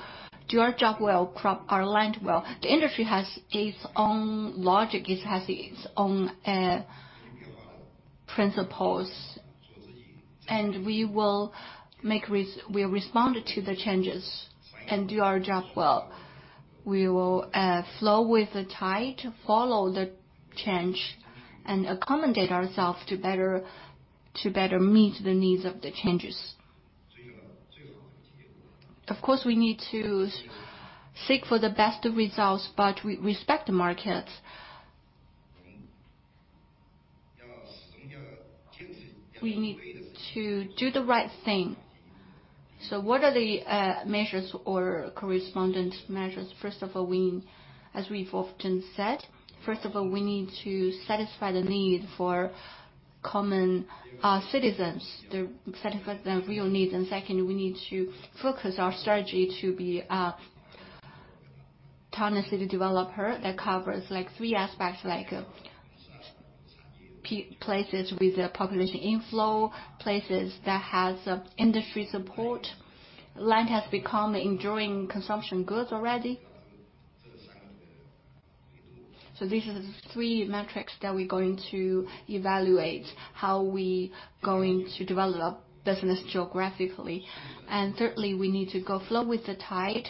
do our job well, crop our land well. The industry has its own logic. It has its own principles. We responded to the changes and do our job well. We will flow with the tide, follow the change, and accommodate ourself to better meet the needs of the changes. Of course, we need to seek for the best results. We respect the market. We need to do the right thing. What are the measures or correspondent measures? First of all, as we've often said, first of all, we need to satisfy the need for common citizens, satisfy the real needs. Second, we need to focus our strategy to be a town and city developer that covers three aspects like places with a population inflow, places that has industry support. Land has become enduring consumption goods already. These are the three metrics that we're going to evaluate how we going to develop business geographically. Thirdly, we need to go flow with the tide.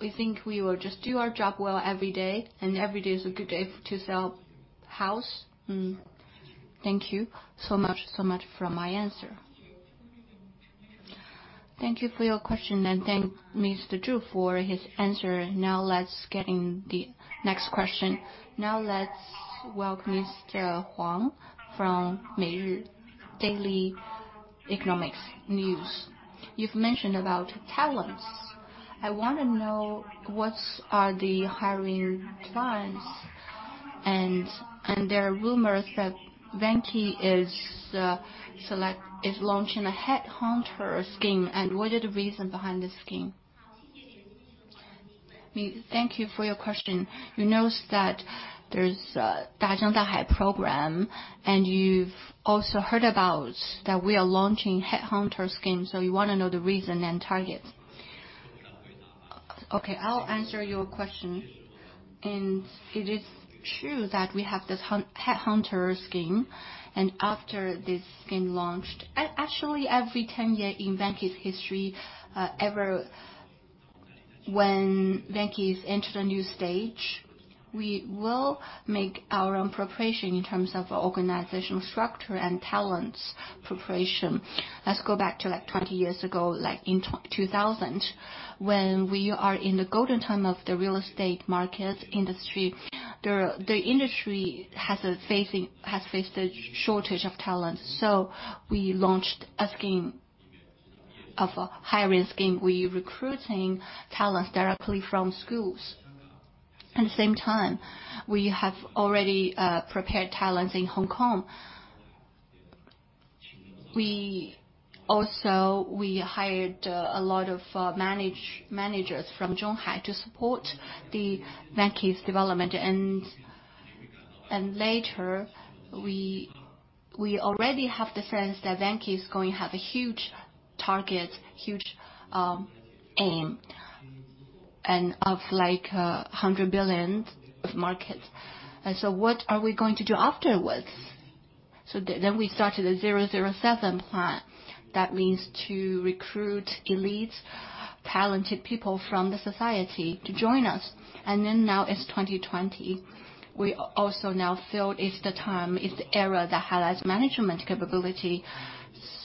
We think we will just do our job well every day, and every day is a good day to sell house. Thank you so much for my answer. Thank you for your question, and thank Mr. Zhu for his answer. Let's get in the next question. Let's welcome Mr. Huang from Daily Economics News. You've mentioned about talents. I want to know what are the hiring plans, and there are rumors that Vanke is launching a headhunter scheme. What is the reason behind this scheme? Thank you for your question. You know that there's program, and you've also heard about that we are launching headhunter scheme. You want to know the reason and target. Okay, I'll answer your question. It is true that we have this headhunter scheme. After this scheme launched, actually, every 10-year in Vanke's history, when Vanke entered a new stage, we will make our own preparation in terms of organizational structure and talents preparation. Let's go back to 20 years ago, like in 2000, when we are in the golden time of the real estate market industry. The industry has faced a shortage of talent, so we launched a hiring scheme. We recruiting talents directly from schools. At the same time, we have already prepared talents in Hong Kong. Also, we hired a lot of managers from Zhonghai to support the Vanke's development. Later, we already have the sense that Vanke is going to have a huge target, huge aim and of like 100 billion of markets. What are we going to do afterwards? We started a 007 plan. That means to recruit elite, talented people from the society to join us. Now it's 2020. We also now feel it's the time, it's the era that highlights management capability.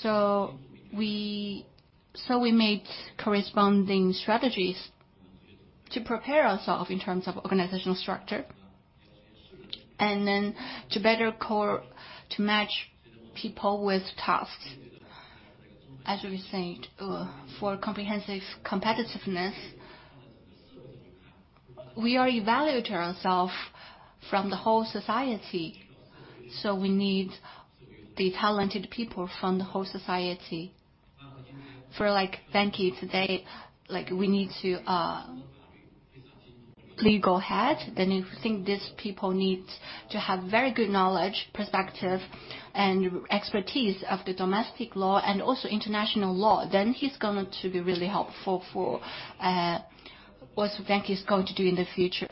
We made corresponding strategies to prepare ourselves in terms of organizational structure and then to match people with tasks. As we said, for comprehensive competitiveness, we are evaluating ourselves from the whole society. We need the talented people from the whole society. For Vanke today, we need the legal head, then you think these people need to have very good knowledge, perspective, and expertise of the domestic law and also international law. He's going to be really helpful for what Vanke is going to do in the future.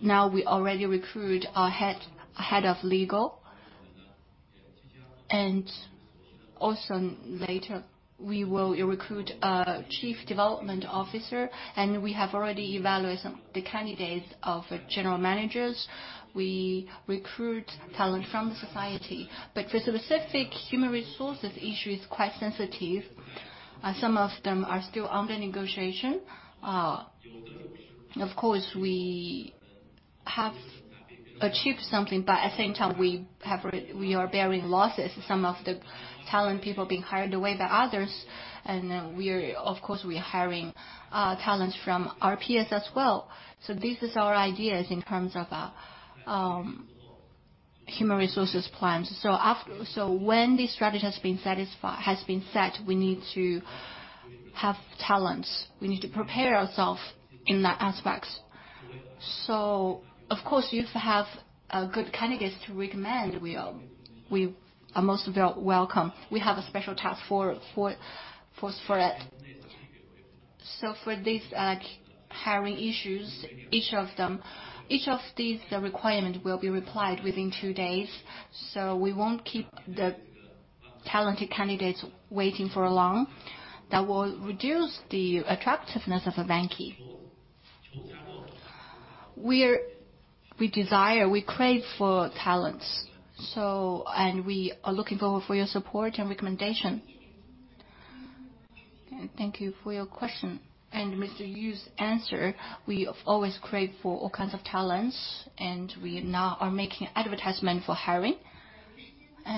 Now we already recruit our head of legal, and also later we will recruit a chief development officer, and we have already evaluated some, the candidates of general managers. We recruit talent from the society, but for specific human resources issue is quite sensitive. Some of them are still under negotiation. Of course, we have achieved something, but at the same time, we are bearing losses, some of the talent people being hired away by others. We are, of course, hiring talents from [RPS] as well. This is our ideas in terms of human resources plans. When the strategy has been set, we need to have talents. We need to prepare ourself in that aspects. Of course, you have a good candidates to recommend, we are most welcome. We have a special task force for it. For these hiring issues, each of these requirements will be replied within two days. We won't keep the talented candidates waiting for long. That will reduce the attractiveness of Vanke. We desire, we crave for talents. We are looking forward for your support and recommendation. Thank you for your question. Mr. Yu's answer, we have always craved for all kinds of talents, and we now are making advertisements for hiring.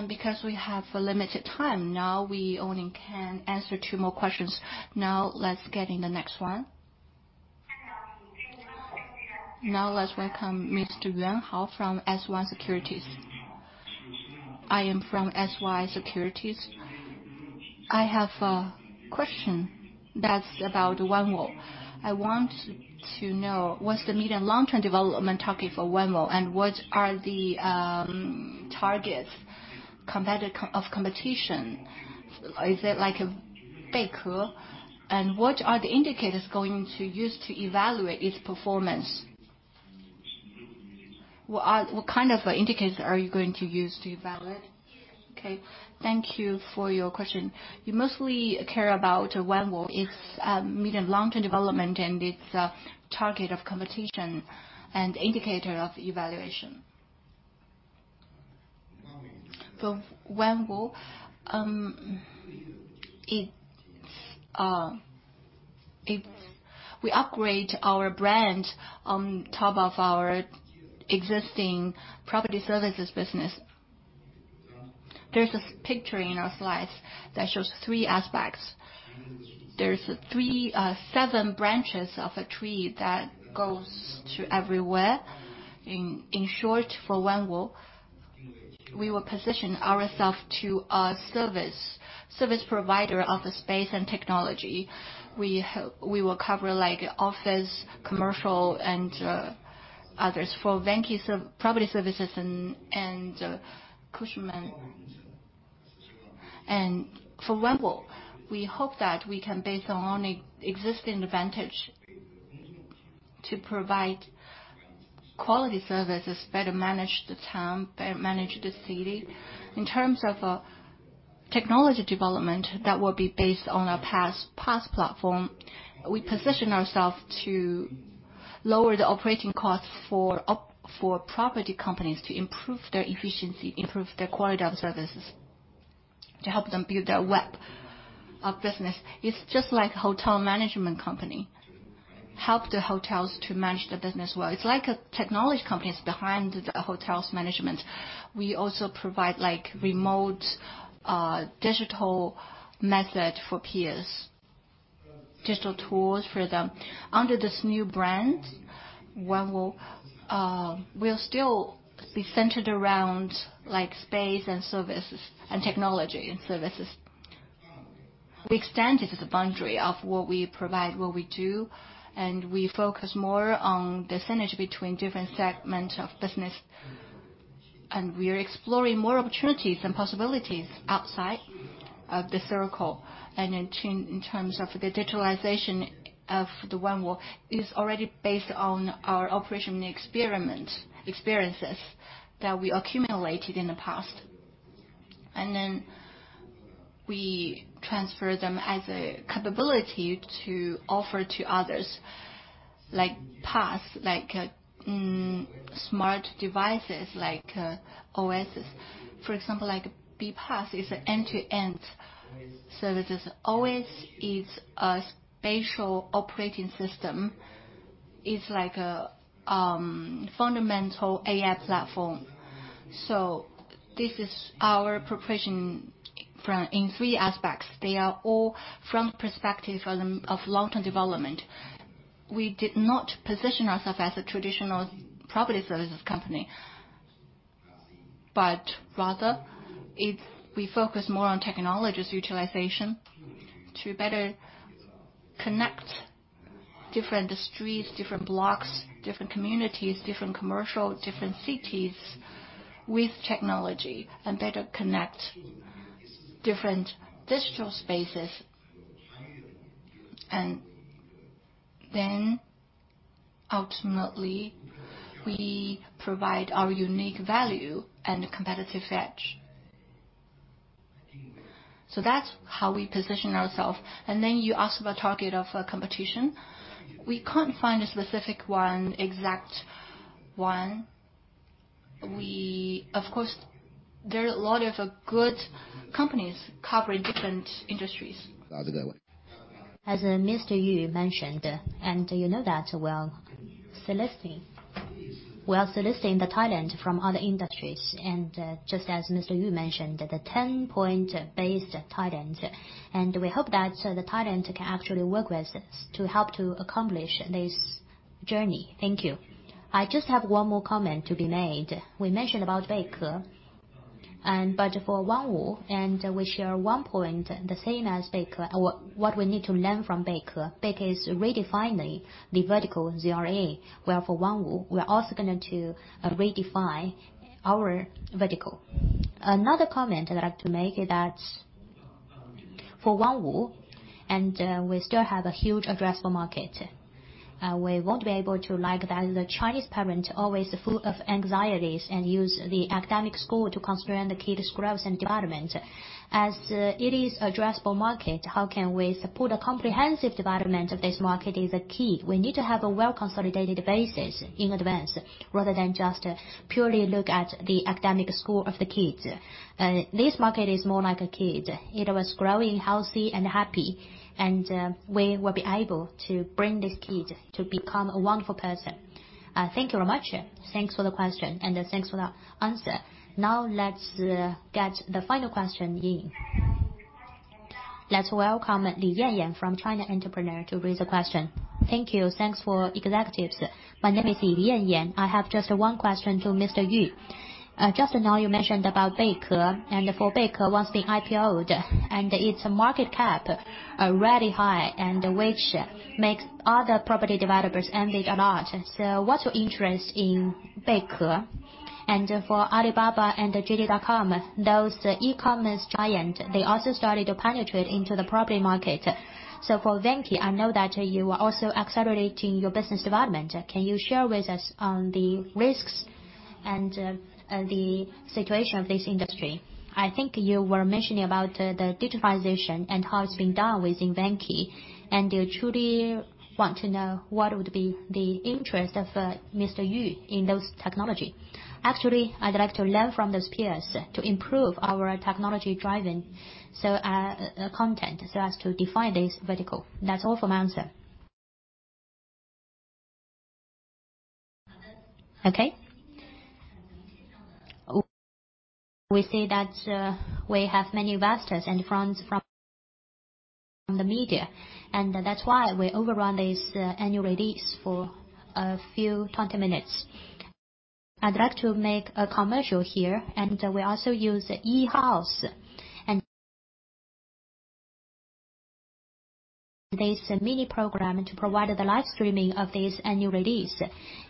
Because we have a limited time now, we only can answer two more questions. Let's get in the next one. Hello. Let's welcome Mr. Yuan Hao from Shenwan Hongyuan Securities. I am from Shenwan Hongyuan Securities. I have a question that's about Onewo. I want to know what's the mid and long-term development target for Onewo and what are the targets of competition? Is it like a what are the indicators going to use to evaluate its performance? What kind of indicators are you going to use to evaluate? Okay, thank you for your question. You mostly care about Onewo, its mid- and long-term development and its target of competition and indicator of evaluation. For Onewo, we upgrade our brand on top of our existing property services business. There's a picture in our slides that shows three aspects. There're seven branches of a tree that goes to everywhere. In short, for Onewo, we will position ourself to a service provider of a space and technology. We will cover office, commercial, and others for Vanke property services and Cushman. For Onewo, we hope that we can base on existing advantage to provide quality services, better manage the town, better manage the city. In terms of technology development, that will be based on our PaaS platform. We position ourselves to lower the operating costs for property companies to improve their efficiency, improve their quality of services, to help them build their web of business. It's just like hotel management company, help the hotels to manage the business well. It's like a technology company is behind the hotel's management. We also provide remote digital method for peers, digital tools for them. Under this new brand, Wanwu, we'll still be centered around space and services and technology and services. We extended the boundary of what we provide, what we do, we focus more on the synergy between different segment of business. We are exploring more opportunities and possibilities outside of the circle. In terms of the digitalization of the Shenzhen Wanwu, is already based on our operation experiences that we accumulated in the past. We transfer them as a capability to offer to others like PaaS, like smart devices, like OSes. For example, like BPaaS is an end-to-end service. OS, it's a spatial operating system. It's like a fundamental AI platform. This is our preparation in three aspects. They are all from perspective of long-term development. We did not position ourselves as a traditional property services company, but rather, we focus more on technologies utilization to better connect different industries, different blocks, different communities, different commercial, different cities with technology, and better connect different digital spaces. Ultimately, we provide our unique value and competitive edge. That's how we position ourselves. You ask about target of competition. We can't find a specific one, exact one. Of course, there are a lot of good companies covering different industries. That's a good one. As Mr. Yu mentioned, you know that well, we are soliciting the talent from other industries. Just as Mr. Yu mentioned, the 10-point based talent. We hope that the talent can actually work with us to help to accomplish this journey. Thank you. I just have one more comment to be made. We mentioned about Beike. For Onewo, we share one point the same as Beike, what we need to learn from Beike. Beike is redefining the vertical in [ZRA, where for Onewo, we are also going to redefine our vertical. Another comment I'd like to make is that for Onewo, we still have a huge addressable market. We won't be able to like that the Chinese parent always full of anxieties and use the academic score to constrain the kid's growth and development. As it is addressable market, how can we support a comprehensive development of this market is a key. We need to have a well-consolidated basis in advance rather than just purely look at the academic score of the kids. This market is more like a kid. It was growing healthy and happy, and we will be able to bring this kid to become a wonderful person. Thank you very much. Thanks for the question, and thanks for the answer. Let's get the final question in. Let's welcome Li Yanyan from China Entrepreneur to raise a question. Thank you. Thanks for executives. My name is Li Yanyan. I have just one question to Mr. Yu. Just now, you mentioned about Beike, for Beike, once they IPOed, its market cap already high, which makes other property developers envy a lot. What's your interest in Beike? For Alibaba and JD.com, that e-commerce giant, they also started to penetrate into the property market. For Vanke, I know that you are also accelerating your business development. Can you share with us on the risks and the situation of this industry? I think you were mentioning about the digitalization and how it's being done within Vanke. I truly want to know what would be the interest of Mr. Yu in those technology. Actually, I'd like to learn from those peers to improve our technology driving content, so as to define this vertical. That's all for my answer. Okay. We see that we have many investors and friends from the media. That's why we overrun this annual release for a few 20 minutes. I'd like to make a commercial here. We also use E-House, and this mini program to provide the live streaming of this annual release.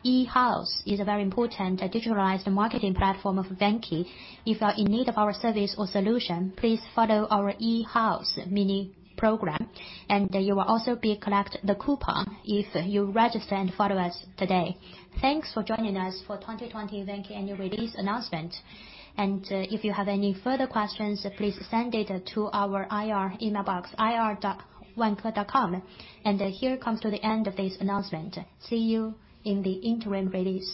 E-House is a very important digitalized marketing platform of Vanke. If you are in need of our service or solution, please follow our E-House mini program. You will also be collecting the coupon if you register and follow us today. Thanks for joining us for 2020 Vanke annual release announcement. If you have any further questions, please send it to our IR email box, ir@vanke.com. Here it comes to the end of this announcement. See you in the interim release.